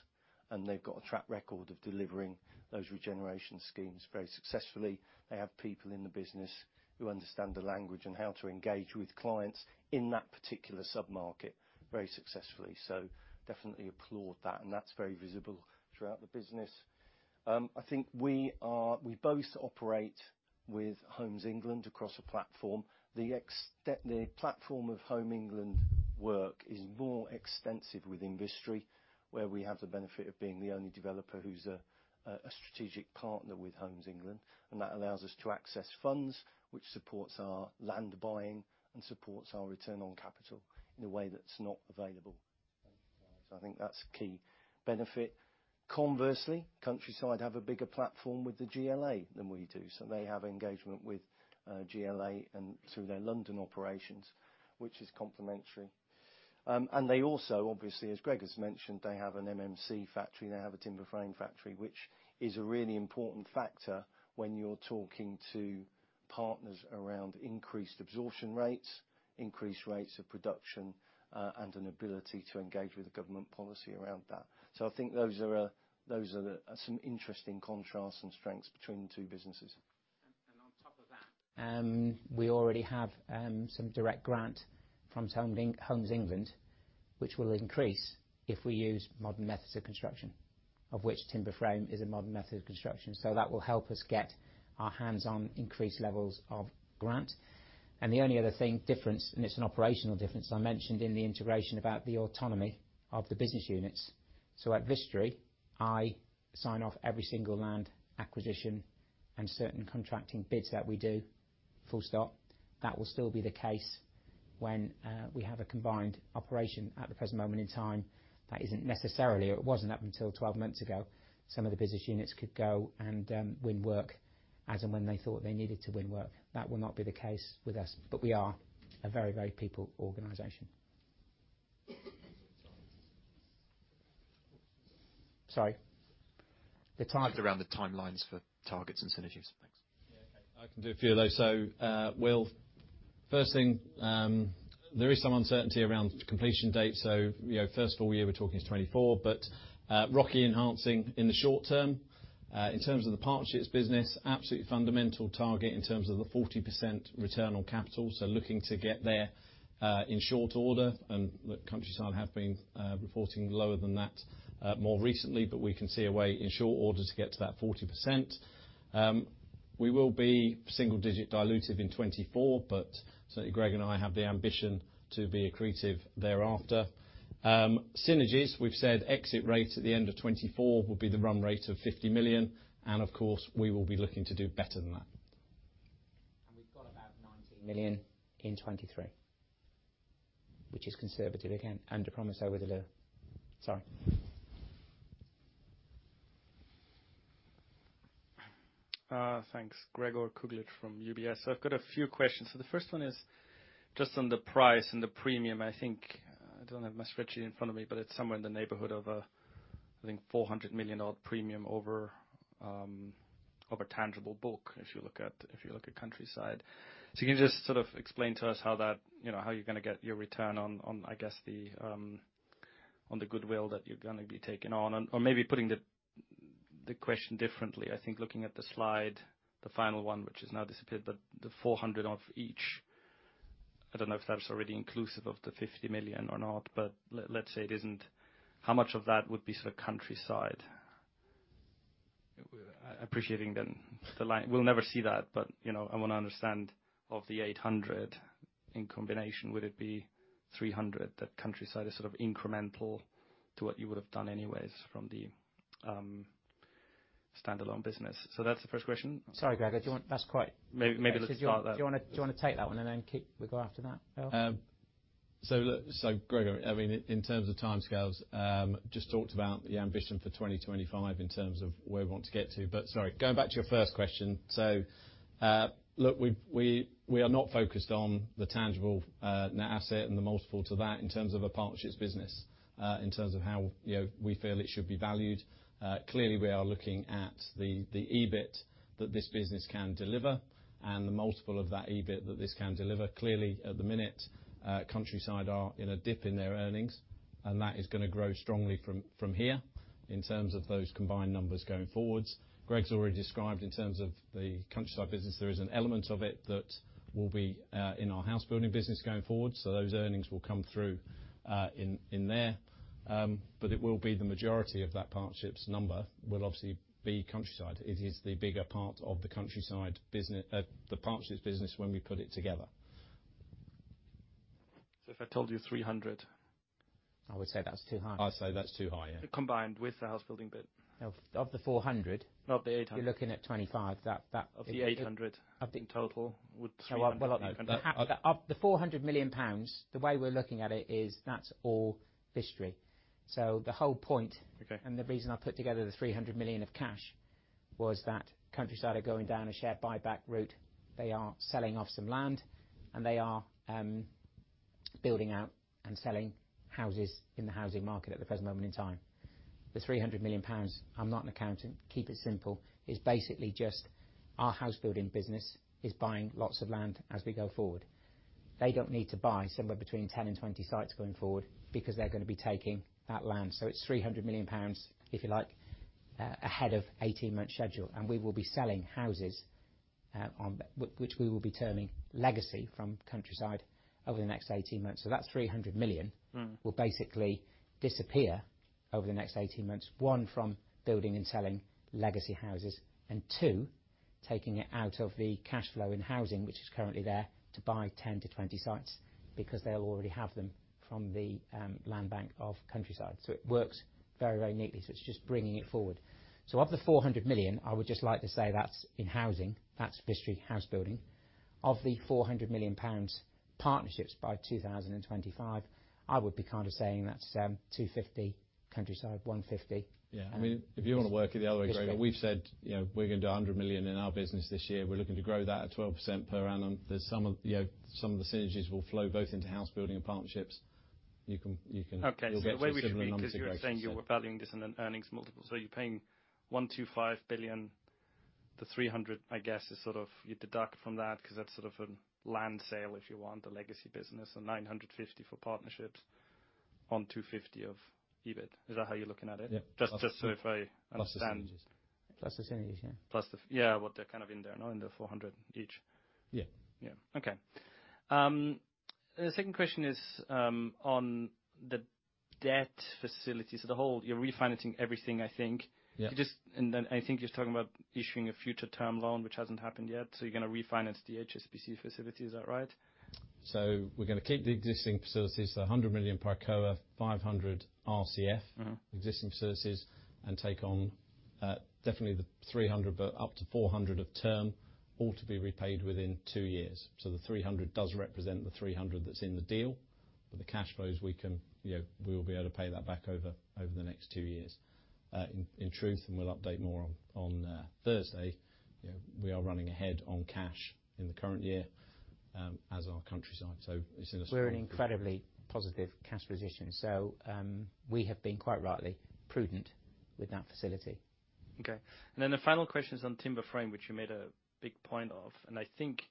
Speaker 4: and they've got a track record of delivering those regeneration schemes very successfully. They have people in the business who understand the language and how to engage with clients in that particular sub-market very successfully. Definitely applaud that, and that's very visible throughout the business. I think we both operate with Homes England across a platform. The platform of Homes England work is more extensive with Vistry, where we have the benefit of being the only developer who's a strategic partner with Homes England, and that allows us to access funds which supports our land buying and supports our return on capital in a way that's not available. I think that's a key benefit. Conversely, Countryside have a bigger platform with the GLA than we do, so they have engagement with GLA and through their London operations, which is complementary. They also, obviously, as Greg has mentioned, they have an MMC factory, they have a timber framing factory, which is a really important factor when you're talking to partners around increased absorption rates, increased rates of production, and an ability to engage with the government policy around that. I think those are some interesting contrasts and strengths between the two businesses.
Speaker 1: On top of that, we already have some direct grant from Homes England, which will increase if we use modern methods of construction, of which timber frame is a modern method of construction. That will help us get our hands on increased levels of grant. The only other thing, difference, and it's an operational difference, I mentioned in the integration about the autonomy of the business units. At Vistry, I sign off every single land acquisition and certain contracting bids that we do, full stop. That will still be the case when we have a combined operation. At the present moment in time, that isn't necessarily, or it wasn't up until 12 months ago, some of the business units could go and win work as and when they thought they needed to win work. That will not be the case with us, but we are a very, very people organization. Sorry.
Speaker 3: Around the timelines for targets and synergies. Thanks.
Speaker 4: Yeah. I can do a few of those. Well, first thing, there is some uncertainty around completion date. You know, first full year, we're talking is 2024. ROCE enhancing in the short term. In terms of the Partnerships business, absolutely fundamental target in terms of the 40% return on capital. Looking to get there, in short order, and look, Countryside have been reporting lower than that, more recently, but we can see a way in short order to get to that 40%. We will be single-digit dilutive in 2024, but certainly Greg and I have the ambition to be accretive thereafter. Synergies, we've said exit rate at the end of 2024 will be the run rate of 50 million, and of course, we will be looking to do better than that.
Speaker 1: We've got about 19 million in 2023, which is conservative again. A promise over delivered. Sorry.
Speaker 5: Thanks. Gregor Kuglitsch from UBS. I've got a few questions. The first one is just on the price and the premium. I think, I don't have my spreadsheet in front of me, but it's somewhere in the neighborhood of, I think, GBP 400 million odd premium over of a tangible book, if you look at Countryside. Can you just sort of explain to us how that, you know, how you're gonna get your return on, I guess, the goodwill that you're gonna be taking on? Or maybe putting the question differently, I think looking at the slide, the final one, which has now disappeared, but the 400 of each, I don't know if that's already inclusive of the 50 million or not, but let's say it isn't. How much of that would be sort of Countryside? Appreciating then the line. We'll never see that, but, you know, I wanna understand, of the 800 in combination, would it be 300 that Countryside is sort of incremental to what you would have done anyways from the standalone business? So that's the first question.
Speaker 1: Sorry, Gregor. That's quite.
Speaker 5: Maybe let's start that.
Speaker 1: Do you wanna take that one and then we go after that, Phil?
Speaker 4: Gregor, I mean, in terms of timescales, just talked about the ambition for 2025 in terms of where we want to get to. Sorry, going back to your first question. We are not focused on the tangible net asset and the multiple to that in terms of a Partnerships business, in terms of how, you know, we feel it should be valued. Clearly, we are looking at the EBIT that this business can deliver and the multiple of that EBIT that this can deliver. Clearly, at the minute, Countryside are in a dip in their earnings, and that is gonna grow strongly from here in terms of those combined numbers going forwards. Greg's already described in terms of the Countryside business, there is an element of it that will be in our housebuilding business going forward. Those earnings will come through in there. It will be the majority of that Partnerships number will obviously be Countryside. It is the bigger part of the Countryside, the Partnerships business when we put it together.
Speaker 5: If I told you 300?
Speaker 1: I would say that's too high.
Speaker 4: I'd say that's too high, yeah.
Speaker 5: Combined with the housebuilding bit.
Speaker 1: Of, of the four hundred?
Speaker 5: Of the 800.
Speaker 1: You're looking at 25. That.
Speaker 5: Of the 800-
Speaker 1: I think.
Speaker 5: Total would 300
Speaker 1: Well, look. No. Of the 400 million pounds, the way we're looking at it is that's all Vistry. So the whole point-
Speaker 5: Okay.
Speaker 1: The reason I put together the 300 million of cash was that Countryside are going down a share buyback route. They are selling off some land, and they are building out and selling houses in the housing market at the present moment in time. The 300 million pounds, I'm not an accountant, keep it simple, is basically just our house building business is buying lots of land as we go forward. They don't need to buy somewhere between 10 and 20 sites going forward because they're gonna be taking that land. So it's 300 million pounds, if you like, ahead of 18-month schedule, and we will be selling houses on which we will be terming legacy from Countryside over the next 18 months. So that 300 million-
Speaker 2: Mm.
Speaker 1: It will basically disappear over the next 18 months, one, from building and selling legacy houses, and two, taking it out of the cash flow in housing, which is currently there, to buy 10-20 sites because they'll already have them from the land bank of Countryside. It works very, very neatly. It's just bringing it forward. Of the 400 million, I would just like to say that's in housing, that's Bovis Homes house building. Of the 400 million pounds partnerships by 2025, I would be kind of saying that's 250 Countryside, 150.
Speaker 2: Yeah. I mean, if you wanna work it the other way, Greg, we've said, you know, we're gonna do 100 million in our business this year. We're looking to grow that at 12% per annum. There's some of, you know, the synergies will flow both into house building and partnerships. You can. You'll get to a similar number to Greg said.
Speaker 5: Okay. The way we should read, 'cause you were saying you're valuing this on an earnings multiple. You're paying 1 billion-5 billion. The 300 million, I guess, is sort of what you deduct from that because that's sort of a land sale if you want, the legacy business, and 950 million for partnerships on 250 million of EBIT. Is that how you're looking at it?
Speaker 2: Yeah.
Speaker 5: Just so I understand.
Speaker 2: Plus the synergies.
Speaker 1: Plus the synergies, yeah.
Speaker 5: Yeah, what they're kind of in there, in the 400 each.
Speaker 2: Yeah.
Speaker 5: Yeah. Okay. The second question is on the debt facilities. The whole, you're refinancing everything, I think.
Speaker 2: Yeah.
Speaker 5: I think you're talking about issuing a future term loan, which hasn't happened yet. You're gonna refinance the HSBC facility, is that right?
Speaker 2: We're gonna keep the existing facilities, the 100 million Pricoa, 500 RCF
Speaker 5: Mm-hmm.
Speaker 2: existing facilities, and take on definitely the 300 but up to 400 of term, all to be repaid within 2 years. So the 300 does represent the 300 that's in the deal, but the cash flows, we can, you know, we will be able to pay that back over the next 2 years. In truth, and we'll update more on Thursday, you know, we are running ahead on cash in the current year, as our Countryside. So it's in a strong-
Speaker 1: We're in incredibly positive cash position. We have been quite rightly prudent with that facility.
Speaker 5: Okay. Then the final question is on timber frame, which you made a big point of, and I think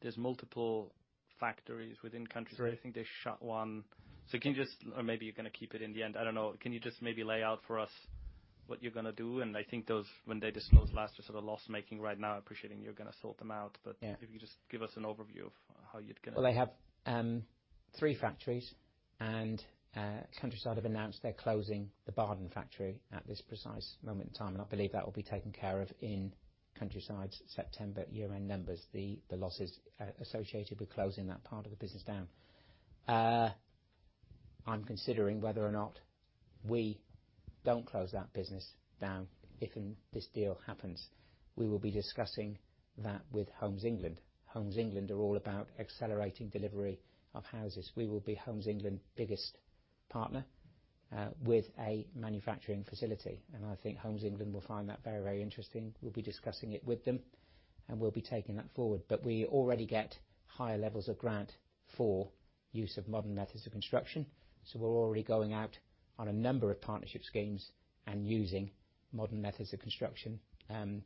Speaker 5: there's multiple factories within Countryside.
Speaker 2: Right.
Speaker 5: I think they shut one. Can you just, or maybe you're gonna keep it in the end. I don't know. Can you just maybe lay out for us what you're gonna do? I think those, when they disclosed last, are sort of loss-making right now. Appreciating you're gonna sort them out.
Speaker 1: Yeah.
Speaker 5: If you just give us an overview of how you're gonna
Speaker 1: Well, they have three factories, and Countryside have announced they're closing the Bardon factory at this precise moment in time, and I believe that will be taken care of in Countryside's September year-end numbers. The losses associated with closing that part of the business down. I'm considering whether or not we don't close that business down if and this deal happens. We will be discussing that with Homes England. Homes England are all about accelerating delivery of houses. We will be Homes England biggest partner, with a manufacturing facility, and I think Homes England will find that very, very interesting. We'll be discussing it with them, and we'll be taking that forward. We already get higher levels of grant for use of modern methods of construction, so we're already going out on a number of partnership schemes and using modern methods of construction,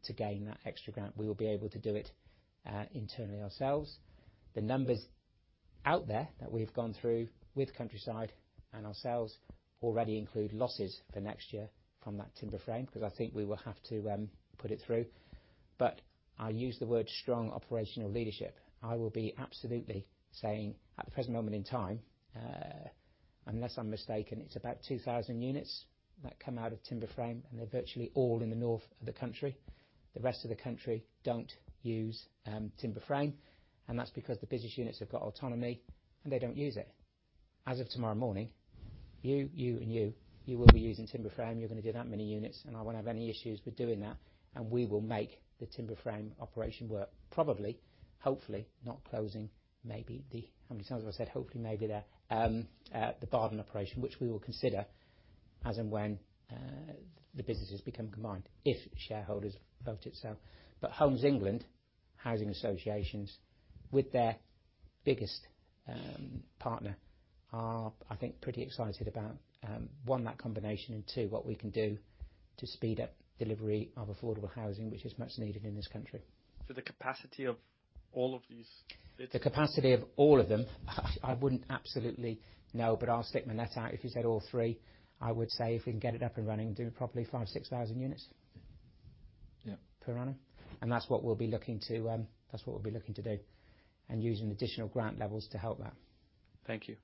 Speaker 1: to gain that extra grant. We will be able to do it, internally ourselves. The numbers out there that we've gone through with Countryside and ourselves already include losses for next year from that timber frame 'cause I think we will have to, put it through. I use the word strong operational leadership. I will be absolutely saying at the present moment in time, unless I'm mistaken, it's about 2000 units that come out of timber frame, and they're virtually all in the north of the country. The rest of the country don't use, timber frame, and that's because the business units have got autonomy, and they don't use it. As of tomorrow morning, you and you will be using timber frame. You're gonna do that many units, and I won't have any issues with doing that, and we will make the timber frame operation work. Probably, hopefully, not closing the Bardon operation, which we will consider as and when the businesses become combined, if shareholders vote it so. Homes England, housing associations with their biggest partner are, I think, pretty excited about one, that combination, and two, what we can do to speed up delivery of affordable housing, which is much needed in this country.
Speaker 5: The capacity of all of these.
Speaker 1: The capacity of all of them, I wouldn't absolutely know, but I'll stick my neck out. If you said all three, I would say if we can get it up and running, we can do probably 5,000-6,000 units.
Speaker 2: Yeah.
Speaker 1: Per annum. That's what we'll be looking to do and using additional grant levels to help that.
Speaker 5: Thank you.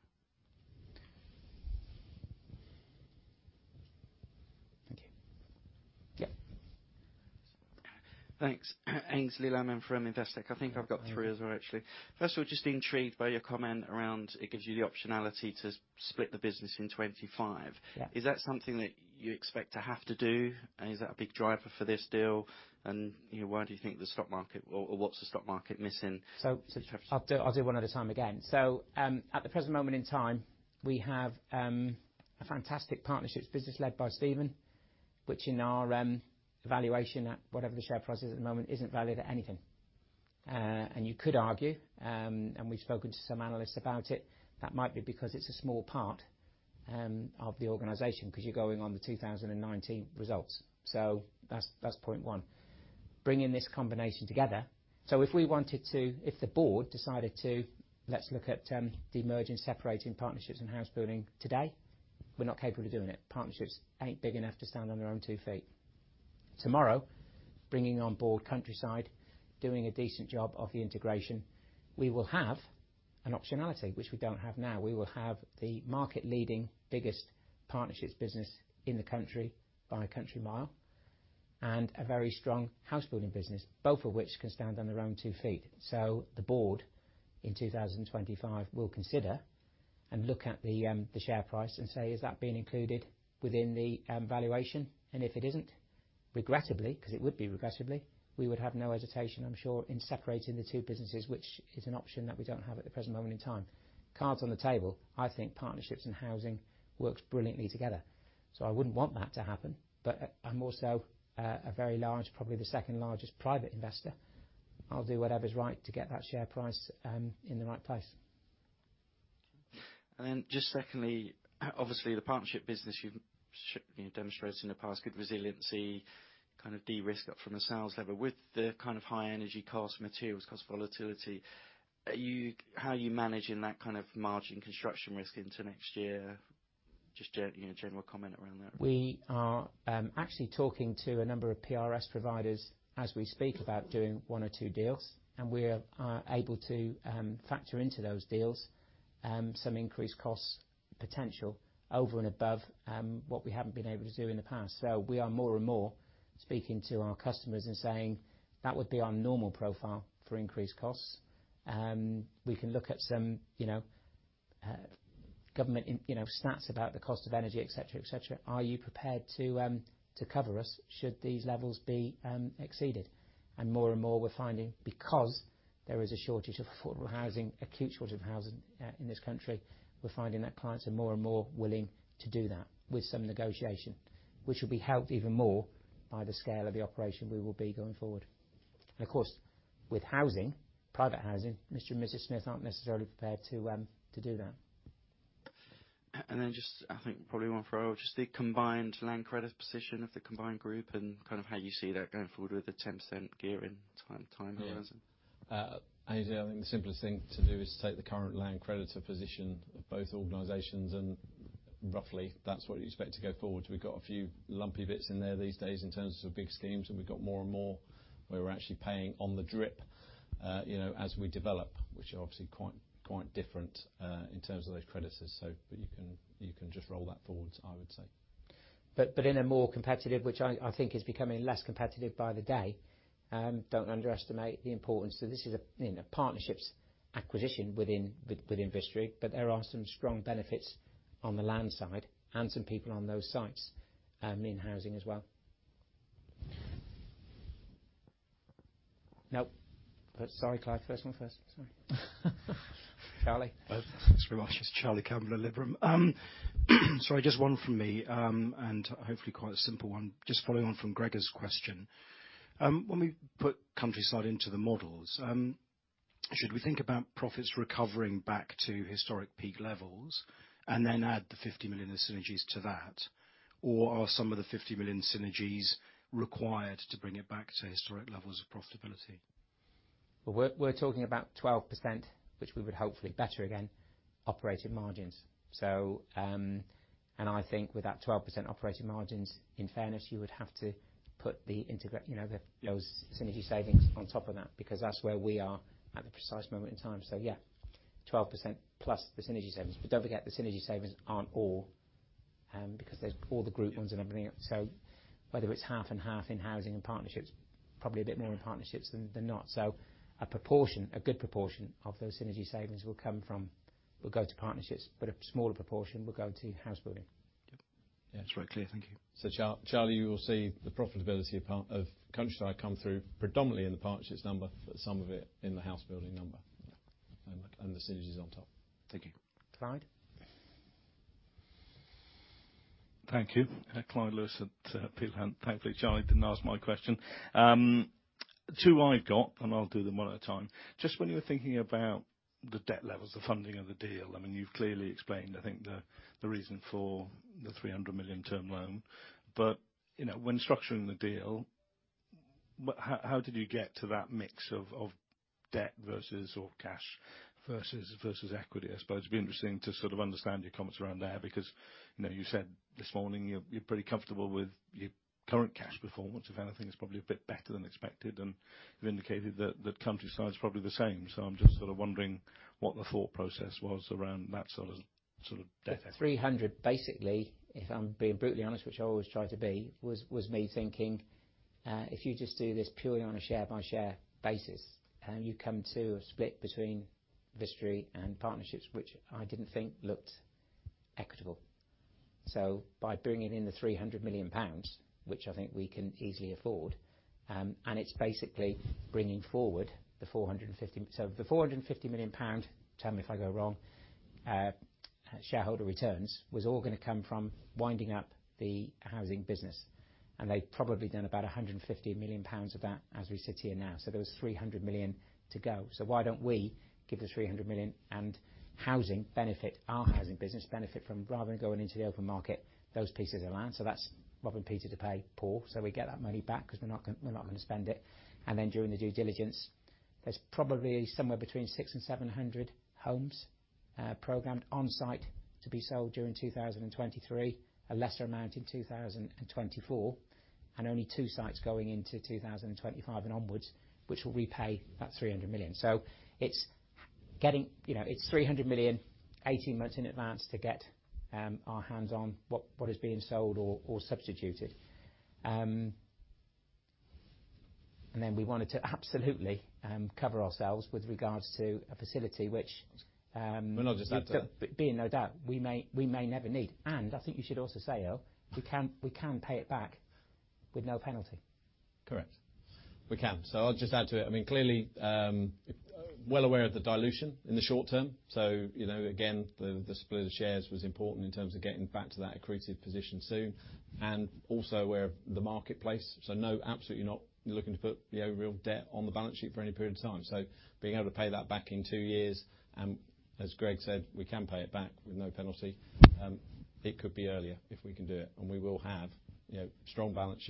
Speaker 1: Thank you. Yeah.
Speaker 6: Thanks. Aynsley Lammin from Investec. I think I've got three as well, actually. First of all, just intrigued by your comment around it gives you the optionality to split the business in 25.
Speaker 1: Yeah.
Speaker 2: Is that something that you expect to have to do, and is that a big driver for this deal? You know, why do you think the stock market or what's the stock market missing?
Speaker 1: I'll do one at a time again. At the present moment in time, we have a fantastic Partnerships business led by Stephen, which in our valuation at whatever the share price is at the moment, isn't valued at anything. You could argue, and we've spoken to some analysts about it, that might be because it's a small part of the organization 'cause you're going on the 2019 results. That's point one. Bringing this combination together, if we wanted to, if the board decided to, let's look at demerging, separating Partnerships and housebuilding today, we're not capable of doing it. Partnerships ain't big enough to stand on their own two feet. Tomorrow, bringing on board Countryside, doing a decent job of the integration, we will have an optionality, which we don't have now. We will have the market-leading biggest partnerships business in the country by a country mile, and a very strong housebuilding business, both of which can stand on their own two feet. The board in 2025 will consider and look at the share price and say, "Has that been included within the valuation?" If it isn't, regrettably, 'cause it would be regrettably, we would have no hesitation, I'm sure, in separating the two businesses, which is an option that we don't have at the present moment in time. Cards on the table, I think partnerships and housing works brilliantly together. I wouldn't want that to happen, but I'm also a very large, probably the second largest private investor. I'll do whatever's right to get that share price in the right place.
Speaker 6: Then just secondly, obviously the partnership business you've demonstrated in the past good resiliency, kind of de-risk up from a sales level. With the kind of high energy cost, materials cost volatility, how are you managing that kind of margin construction risk into next year? Just you know, general comment around that.
Speaker 1: We are actually talking to a number of PRS providers as we speak about doing one or two deals, and we are able to factor into those deals some increased costs potential over and above what we haven't been able to do in the past. We are more and more speaking to our customers and saying, "That would be our normal profile for increased costs. We can look at some, you know, government, you know, stats about the cost of energy, et cetera, et cetera. Are you prepared to cover us should these levels be exceeded?" More and more, because there is a shortage of affordable housing, acute shortage of housing in this country, we're finding that clients are more and more willing to do that with some negotiation, which will be helped even more by the scale of the operation we will be going forward. Of course, with housing, private housing, Mr. and Mrs. Smith aren't necessarily prepared to do that.
Speaker 6: Just, I think, probably one for Earl, just the combined land creditor position of the combined group and kind of how you see that going forward with the 10% gearing time horizon.
Speaker 2: Yeah. Aynsley, I think the simplest thing to do is take the current land creditor position of both organizations, and roughly, that's what you'd expect to go forward. We've got a few lumpy bits in there these days in terms of big schemes, and we've got more and more where we're actually paying on the drip, you know, as we develop, which are obviously quite different in terms of those creditors. You can just roll that forward, I would say.
Speaker 1: In a more competitive, which I think is becoming less competitive by the day, don't underestimate the importance. This is a, you know, partnerships acquisition within, with Vistry, but there are some strong benefits on the land side and some pipeline on those sites, in housing as well. Nope. Sorry, Clyde. First one first. Sorry. Charlie.
Speaker 7: Thanks very much. It's Charlie Campbell at Liberum. Sorry, just one from me, and hopefully quite a simple one. Just following on from Gregor's question. When we put Countryside into the models, should we think about profits recovering back to historic peak levels and then add the 50 million synergies to that? Or are some of the 50 million synergies required to bring it back to historic levels of profitability?
Speaker 1: We're talking about 12%, which we would hopefully better again, operating margins. I think with that 12% operating margins, in fairness, you would have to put, you know, those synergy savings on top of that, because that's where we are at the precise moment in time. Yeah, 12% plus the synergy savings. Don't forget, the synergy savings aren't all, because there's all the group ones and everything else. Whether it's half and half in housing and partnerships, probably a bit more in partnerships than not. A proportion, a good proportion of those synergy savings will go to partnerships, but a smaller proportion will go to housebuilding.
Speaker 6: Yep. Yeah, that's very clear. Thank you.
Speaker 2: Charlie, you will see the profitability of part of Countryside come through predominantly in the partnerships number, but some of it in the housebuilding number.
Speaker 7: Yeah.
Speaker 2: The synergies on top.
Speaker 7: Thank you.
Speaker 1: Clyde.
Speaker 8: Thank you. Clyde Lewis at Peel Hunt. Thankfully, Charlie didn't ask my question. Two I've got, and I'll do them one at a time. Just when you were thinking about the debt levels, the funding of the deal, I mean, you've clearly explained, I think, the reason for the 300 million term loan. You know, when structuring the deal, what how did you get to that mix of debt versus cash versus equity? I suppose it'd be interesting to sort of understand your comments around there, because you know, you said this morning you're pretty comfortable with your current cash performance. If anything, it's probably a bit better than expected, and you've indicated that Countryside is probably the same. I'm just sort of wondering what the thought process was around that sort of debt.
Speaker 1: 300, basically, if I'm being brutally honest, which I always try to be, was me thinking, if you just do this purely on a share-by-share basis and you come to a split between Vistry and Partnerships, which I didn't think looked equitable. By bringing in the 300 million pounds, which I think we can easily afford, and it's basically bringing forward the 450. The 450 million pound, tell me if I go wrong, shareholder returns was all going to come from winding up the housing business, and they've probably done about a 150 million pounds of that as we sit here now. There was 300 million to go. Why don't we give the 300 million in housing benefit. Our housing business benefit from rather than going into the open market, those pieces of land. That's robbing Peter to pay Paul. We get that money back because we're not going to spend it. During the due diligence, there's probably somewhere between 600 and 700 homes programmed on-site to be sold during 2023, a lesser amount in 2024, and only two sites going into 2025 and onwards, which will repay that 300 million. It's getting, it's 300 million, 18 months in advance to get our hands on what is being sold or substituted. We wanted to absolutely cover ourselves with regards to a facility which
Speaker 2: Well, not just that though.
Speaker 1: Be in no doubt we may never need. I think you should also say, Earl, we can pay it back with no penalty.
Speaker 2: Correct. We can. I'll just add to it. I mean, clearly, well aware of the dilution in the short term. You know, again, the split of shares was important in terms of getting back to that accretive position soon and also where the marketplace. No, absolutely not looking to put, you know, real debt on the balance sheet for any period of time. Being able to pay that back in two years, as Greg said, we can pay it back with no penalty. It could be earlier if we can do it, and we will have, you know, strong balance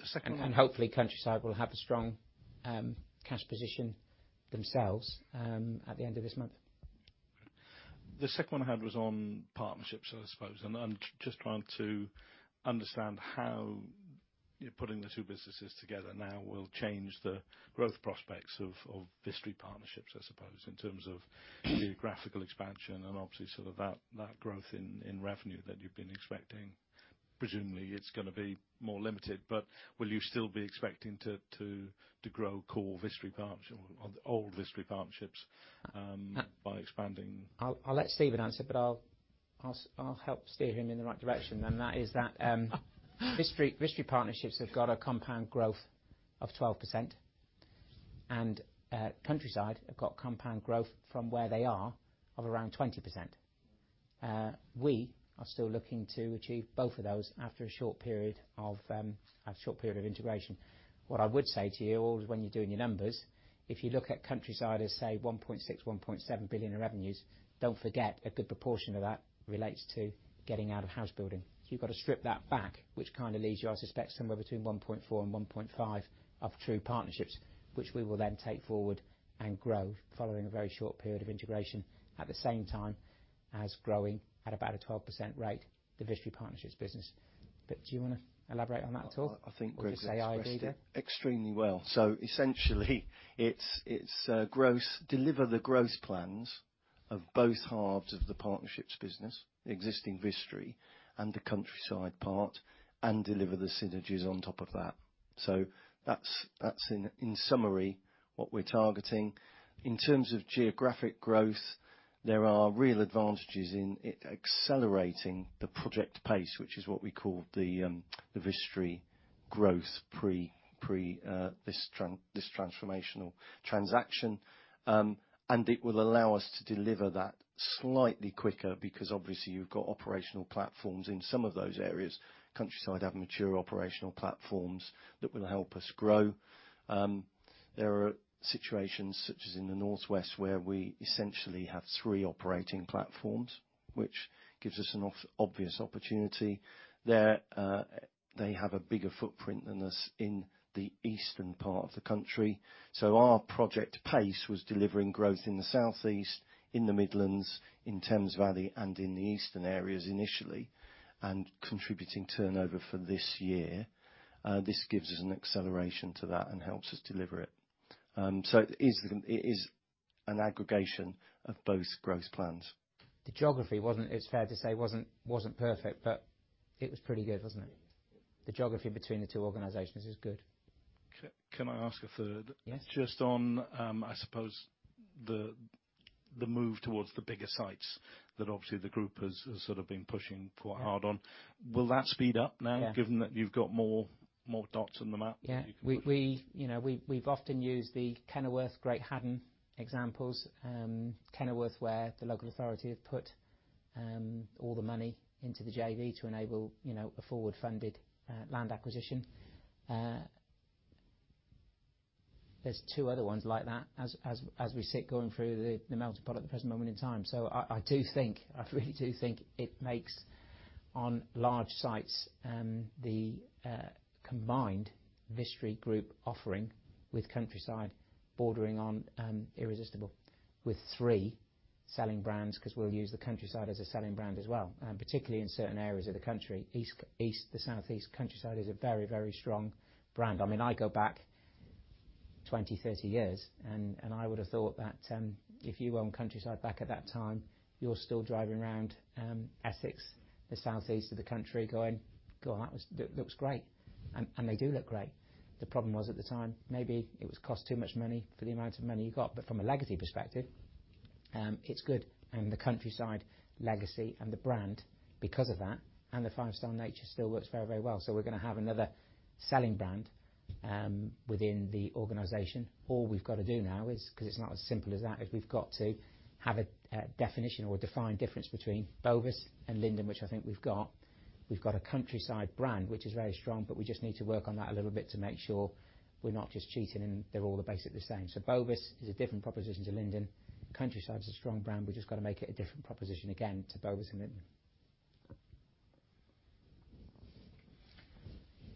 Speaker 2: sheet, low gearing, going forward.
Speaker 1: Hopefully Countryside will have a strong cash position themselves at the end of this month.
Speaker 8: The second one I had was on partnerships, I suppose. I'm just trying to understand how you're putting the two businesses together now will change the growth prospects of Vistry Partnerships, I suppose, in terms of geographical expansion and obviously sort of that growth in revenue that you've been expecting. Presumably it's going to be more limited, but will you still be expecting to grow core Vistry Partnerships or old Vistry Partnerships by expanding?
Speaker 1: I'll let Stephen answer, but I'll help steer him in the right direction. That is that Vistry Partnerships have got a compound growth of 12% and Countryside have got compound growth from where they are of around 20%. We are still looking to achieve both of those after a short period of integration. What I would say to you all is when you're doing your numbers, if you look at Countryside as, say, 1.6-1.7 billion in revenues, don't forget a good proportion of that relates to getting out of house building. You've got to strip that back, which kind of leaves you, I suspect, somewhere between 1.4 and 1.5 of true partnerships, which we will then take forward and grow following a very short period of integration at the same time as growing at about a 12% rate, the Vistry Partnerships business. Do you want to elaborate on that at all?
Speaker 4: I think Greg's expressed it extremely well. Essentially, it's growth, deliver the growth plans of both halves of the partnerships business, existing Vistry and the Countryside part, and deliver the synergies on top of that. That's in summary what we're targeting. In terms of geographic growth, there are real advantages in it accelerating the Project Pace, which is what we call the Vistry growth pre this transformational transaction. It will allow us to deliver that slightly quicker because obviously you've got operational platforms in some of those areas. Countryside have mature operational platforms that will help us grow. There are situations such as in the northwest, where we essentially have three operating platforms, which gives us an obvious opportunity. There, they have a bigger footprint than us in the eastern part of the country. Our Project Pace was delivering growth in the Southeast, in the Midlands, in Thames Valley and in the eastern areas initially, and contributing turnover for this year. This gives us an acceleration to that and helps us deliver it. It is an aggregation of both growth plans.
Speaker 1: The geography wasn't, it's fair to say, perfect, but it was pretty good, wasn't it? The geography between the two organizations is good.
Speaker 8: Can I ask a third?
Speaker 1: Yes.
Speaker 8: Just on, I suppose the move towards the bigger sites that obviously the group has sort of been pushing quite hard on. Will that speed up now?
Speaker 1: Yeah
Speaker 8: given that you've got more dots on the map?
Speaker 1: We, you know, we've often used the Kenilworth, Great Haddon examples. Kenilworth, where the local authority have put all the money into the JV to enable, you know, a forward-funded land acquisition. There's two other ones like that as we sit going through the melting pot at the present moment in time. I really do think it makes sense on large sites, the combined Vistry Group offering with Countryside bordering on irresistible with three selling brands, because we'll use the Countryside as a selling brand as well, and particularly in certain areas of the country. In the east, the southeast, Countryside is a very, very strong brand. I mean, I go back 20, 30 years, and I would have thought that if you own Countryside back at that time, you're still driving around Essex, the southeast of the country, going, "God, that looks great." They do look great. The problem was at the time, maybe it would cost too much money for the amount of money you got. From a legacy perspective, it's good. The Countryside legacy and the brand because of that, and the five-star nature still works very, very well. We're gonna have another selling brand within the organization. All we've got to do now is 'cause it's not as simple as that, we've got to have a definition or a defined difference between Bovis and Linden, which I think we've got. We've got a Countryside brand which is very strong, but we just need to work on that a little bit to make sure we're not just cheating, and they're all basically the same. Bovis is a different proposition to Linden. Countryside is a strong brand, we just gotta make it a different proposition again to Bovis and Linden.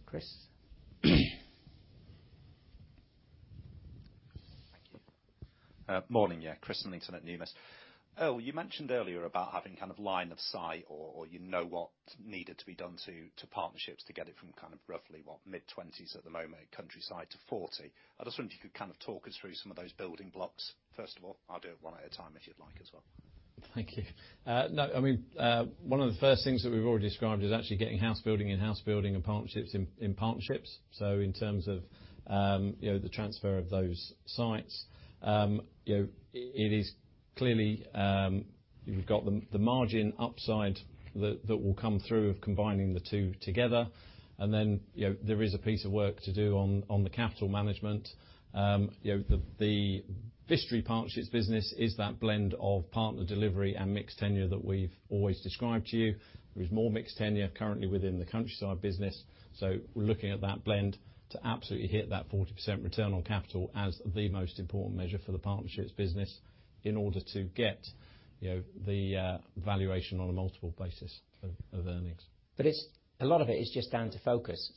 Speaker 1: Chris.
Speaker 9: Thank you. Morning, yeah. Chris Millington at Numis. Earl, you mentioned earlier about having kind of line of sight, or you know what needed to be done to partnerships to get it from kind of roughly mid-20s% at the moment, Countryside to 40%. I just wonder if you could kind of talk us through some of those building blocks, first of all. I'll do it one at a time if you'd like as well.
Speaker 2: Thank you. No, I mean, one of the first things that we've already described is actually getting house building and partnerships in partnerships. In terms of, you know, the transfer of those sites. You know, it is clearly, you've got the margin upside that will come through of combining the two together. You know, there is a piece of work to do on the capital management. You know, the Vistry Partnerships business is that blend of partner delivery and mixed tenure that we've always described to you. There's more mixed tenure currently within the Countryside business. We're looking at that blend to absolutely hit that 40% return on capital as the most important measure for the partnerships business in order to get, you know, the valuation on a multiple basis of earnings.
Speaker 1: A lot of it is just down to focus.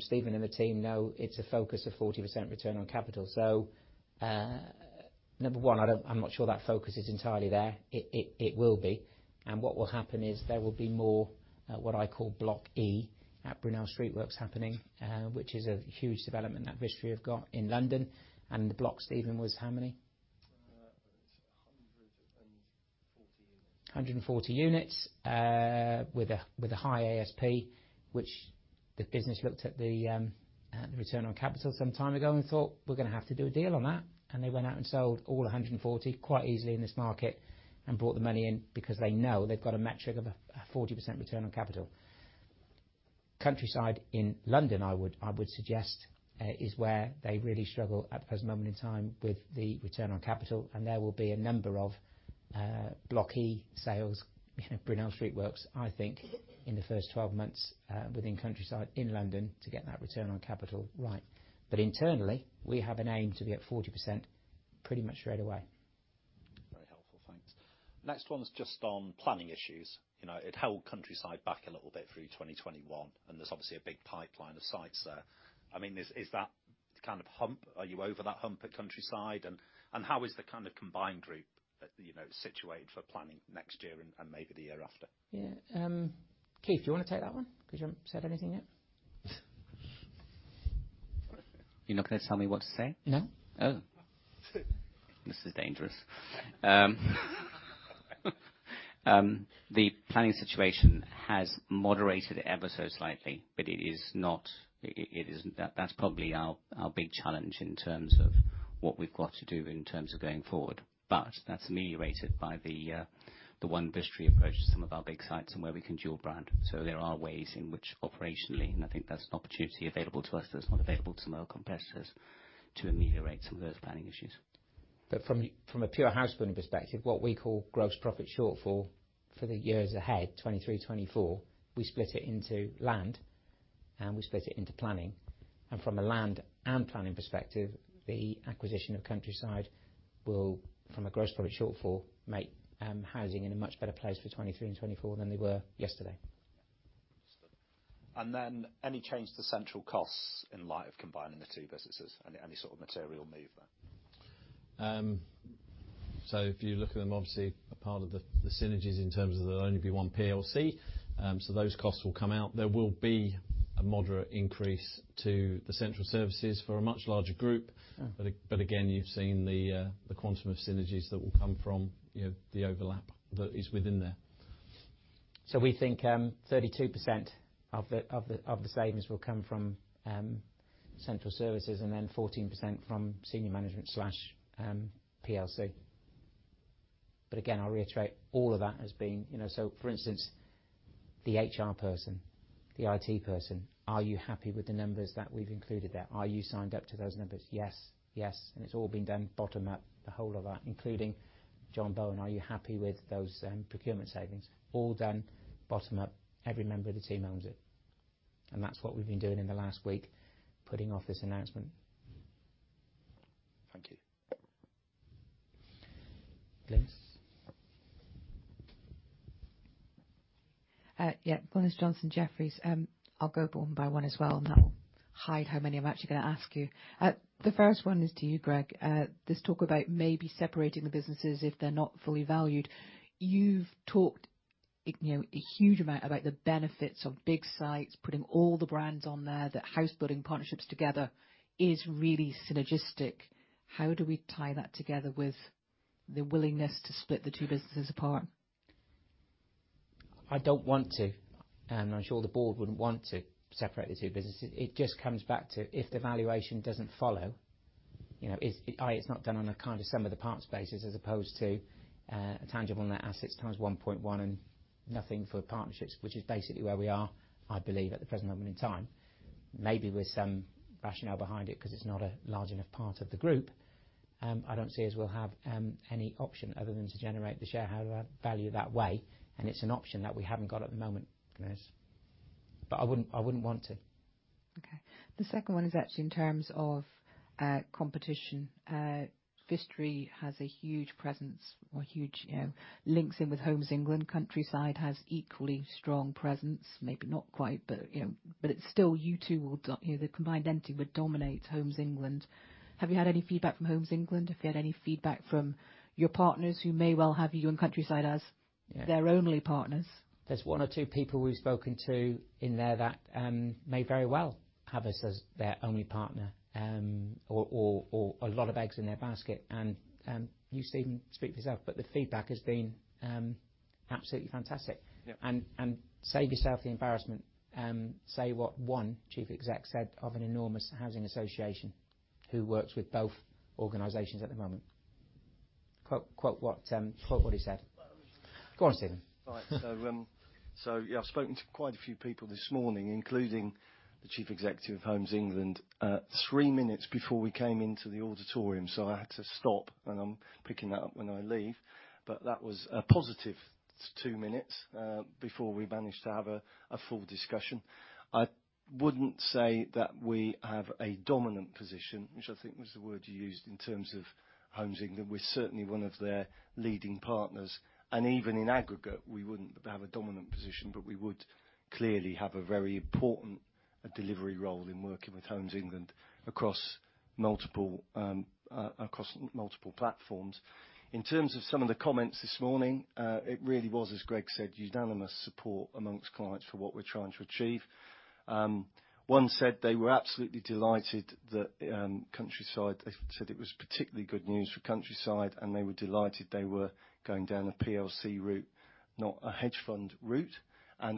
Speaker 1: Stephen and the team know it's a focus of 40% return on capital. Number one, I'm not sure that focus is entirely there. It will be. What will happen is, there will be more what I call Block E at Brunel Street Works happening, which is a huge development that Vistry have got in London. The block, Stephen, was how many?
Speaker 10: It's 140 units.
Speaker 1: 140 units with a high ASP, which the business looked at the return on capital some time ago and thought, "We're gonna have to do a deal on that." They went out and sold all 140 quite easily in this market and brought the money in because they know they've got a metric of a 40% return on capital. Countryside in London, I would suggest, is where they really struggle at this moment in time with the return on capital, and there will be a number of Block E sales, Brunel Street Works, I think in the first 12 months, within Countryside in London to get that return on capital right. Internally, we have an aim to be at 40% pretty much right away.
Speaker 9: Very helpful. Thanks. Next one is just on planning issues. You know, it held Countryside back a little bit through 2021, and there's obviously a big pipeline of sites there. I mean, is that the kind of hump? Are you over that hump at Countryside? And how is the kind of combined group, you know, situated for planning next year and maybe the year after?
Speaker 1: Yeah, Keith, do you wanna take that one? 'Cause you haven't said anything yet.
Speaker 10: You're not gonna tell me what to say?
Speaker 1: No.
Speaker 10: This is dangerous. The planning situation has moderated ever so slightly, but it isn't that that's probably our big challenge in terms of what we've got to do in terms of going forward. That's ameliorated by the One Vistry approach to some of our big sites and where we can dual brand. There are ways in which operationally, and I think that's an opportunity available to us that's not available to some of our competitors to ameliorate some of those planning issues.
Speaker 1: From a pure house building perspective, what we call gross profit shortfall for the years ahead, 2023, 2024, we split it into land and we split it into planning. From a land and planning perspective, the acquisition of Countryside will, from a gross profit shortfall, make housing in a much better place for 2023 and 2024 than they were yesterday.
Speaker 9: Understood. Any change to central costs in light of combining the two businesses, any sort of material move there?
Speaker 2: If you look at them, obviously a part of the synergies in terms of there'll only be one PLC, those costs will come out. There will be a moderate increase to the central services for a much larger group.
Speaker 1: Mm-hmm.
Speaker 2: Again, you've seen the quantum of synergies that will come from, you know, the overlap that is within there.
Speaker 1: We think 32% of the savings will come from central services and then 14% from senior management slash PLC. Again, I'll reiterate, all of that has been. For instance, the HR person, the IT person, are you happy with the numbers that we've included there? Are you signed up to those numbers? Yes. Yes. It's all been done bottom up, the whole of that, including, "John Bowen, are you happy with those procurement savings?" All done bottom up, every member of the team owns it. That's what we've been doing in the last week, putting off this announcement.
Speaker 9: Thank you.
Speaker 1: Glynis.
Speaker 11: Yeah. Glynis Johnson, Jefferies. I'll go one by one as well, and that will hide how many I'm actually gonna ask you. The first one is to you, Greg. This talk about maybe separating the businesses if they're not fully valued. You've talked, you know, a huge amount about the benefits of big sites, putting all the brands on there, that house building partnerships together is really synergistic. How do we tie that together with the willingness to split the two businesses apart?
Speaker 1: I don't want to, and I'm sure the board wouldn't want to separate the two businesses. It just comes back to if the valuation doesn't follow, it's not done on a kind of sum of the parts basis as opposed to tangible net assets times 1.1 and nothing for partnerships, which is basically where we are, I believe, at the present moment in time. Maybe with some rationale behind it because it's not a large enough part of the group. I don't see that we'll have any option other than to generate the shareholder value that way, and it's an option that we haven't got at the moment, Glynis. I wouldn't want to.
Speaker 11: The second one is actually in terms of competition. Vistry has a huge presence or huge, you know, links in with Homes England. Countryside has equally strong presence, maybe not quite but, you know, but it's still the combined entity would dominate Homes England. Have you had any feedback from Homes England? Have you had any feedback from your partners who may well have you and Countryside as-
Speaker 1: Yeah.
Speaker 11: Their only partners?
Speaker 1: There's one or two people we've spoken to in there that may very well have us as their only partner, or a lot of eggs in their basket. You, Stephen, speak for yourself, but the feedback has been absolutely fantastic.
Speaker 4: Yeah.
Speaker 1: Save yourself the embarrassment, say what one chief exec said of an enormous housing association who works with both organizations at the moment. Quote what he said.
Speaker 4: Um.
Speaker 1: Go on, Stephen.
Speaker 4: Right. Yeah, I've spoken to quite a few people this morning, including the chief executive of Homes England, three minutes before we came into the auditorium, so I had to stop, and I'm picking that up when I leave. That was a positive two minutes before we managed to have a full discussion. I wouldn't say that we have a dominant position, which I think was the word you used in terms of Homes England. We're certainly one of their leading partners, and even in aggregate, we wouldn't have a dominant position, but we would clearly have a very important delivery role in working with Homes England across multiple platforms. In terms of some of the comments this morning, it really was, as Greg said, unanimous support among clients for what we're trying to achieve. One said they were absolutely delighted that Countryside. They said it was particularly good news for Countryside, and they were delighted they were going down a PLC route, not a hedge fund route.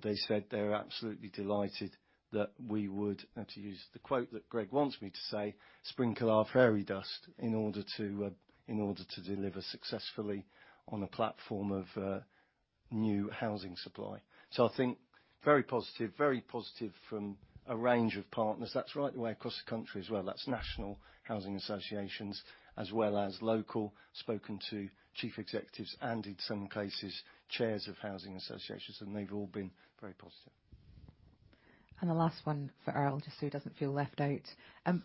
Speaker 4: They said they're absolutely delighted that we would, to use the quote that Greg wants me to say, "Sprinkle our fairy dust in order to deliver successfully on a platform of new housing supply." I think very positive, very positive from a range of partners. That's right the way across the country as well. That's national housing associations as well as local. Spoken to chief executives and, in some cases, chairs of housing associations, and they've all been very positive.
Speaker 11: The last one for Earl, just so he doesn't feel left out.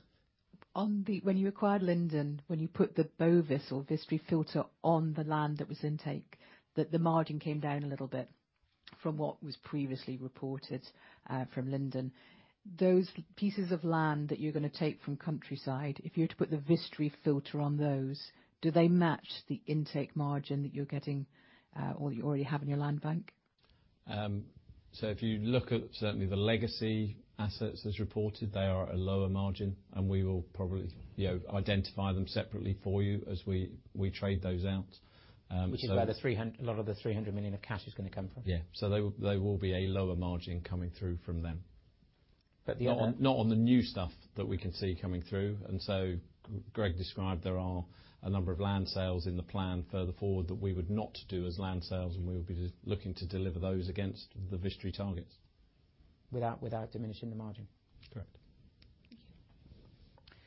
Speaker 11: When you acquired Linden, when you put the Bovis or Vistry filter on the land that was intake, the margin came down a little bit from what was previously reported from Linden. Those pieces of land that you're gonna take from Countryside, if you were to put the Vistry filter on those, do they match the intake margin that you're getting or you already have in your land bank?
Speaker 4: If you look at certainly the legacy assets as reported, they are a lower margin, and we will probably, you know, identify them separately for you as we trade those out.
Speaker 1: Which is where a lot of the 300 million of cash is gonna come from.
Speaker 4: They will be a lower margin coming through from them.
Speaker 1: But the other-
Speaker 4: Not on the new stuff that we can see coming through. As Greg described, there are a number of land sales in the plan further forward that we would not do as land sales, and we would be just looking to deliver those against the Vistry targets.
Speaker 1: Without diminishing the margin.
Speaker 4: Correct.
Speaker 11: Thank you.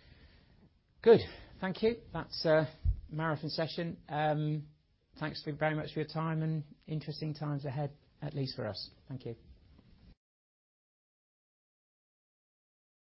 Speaker 1: Good. Thank you. That's a marathon session. Thanks very much for your time, and interesting times ahead, at least for us. Thank you.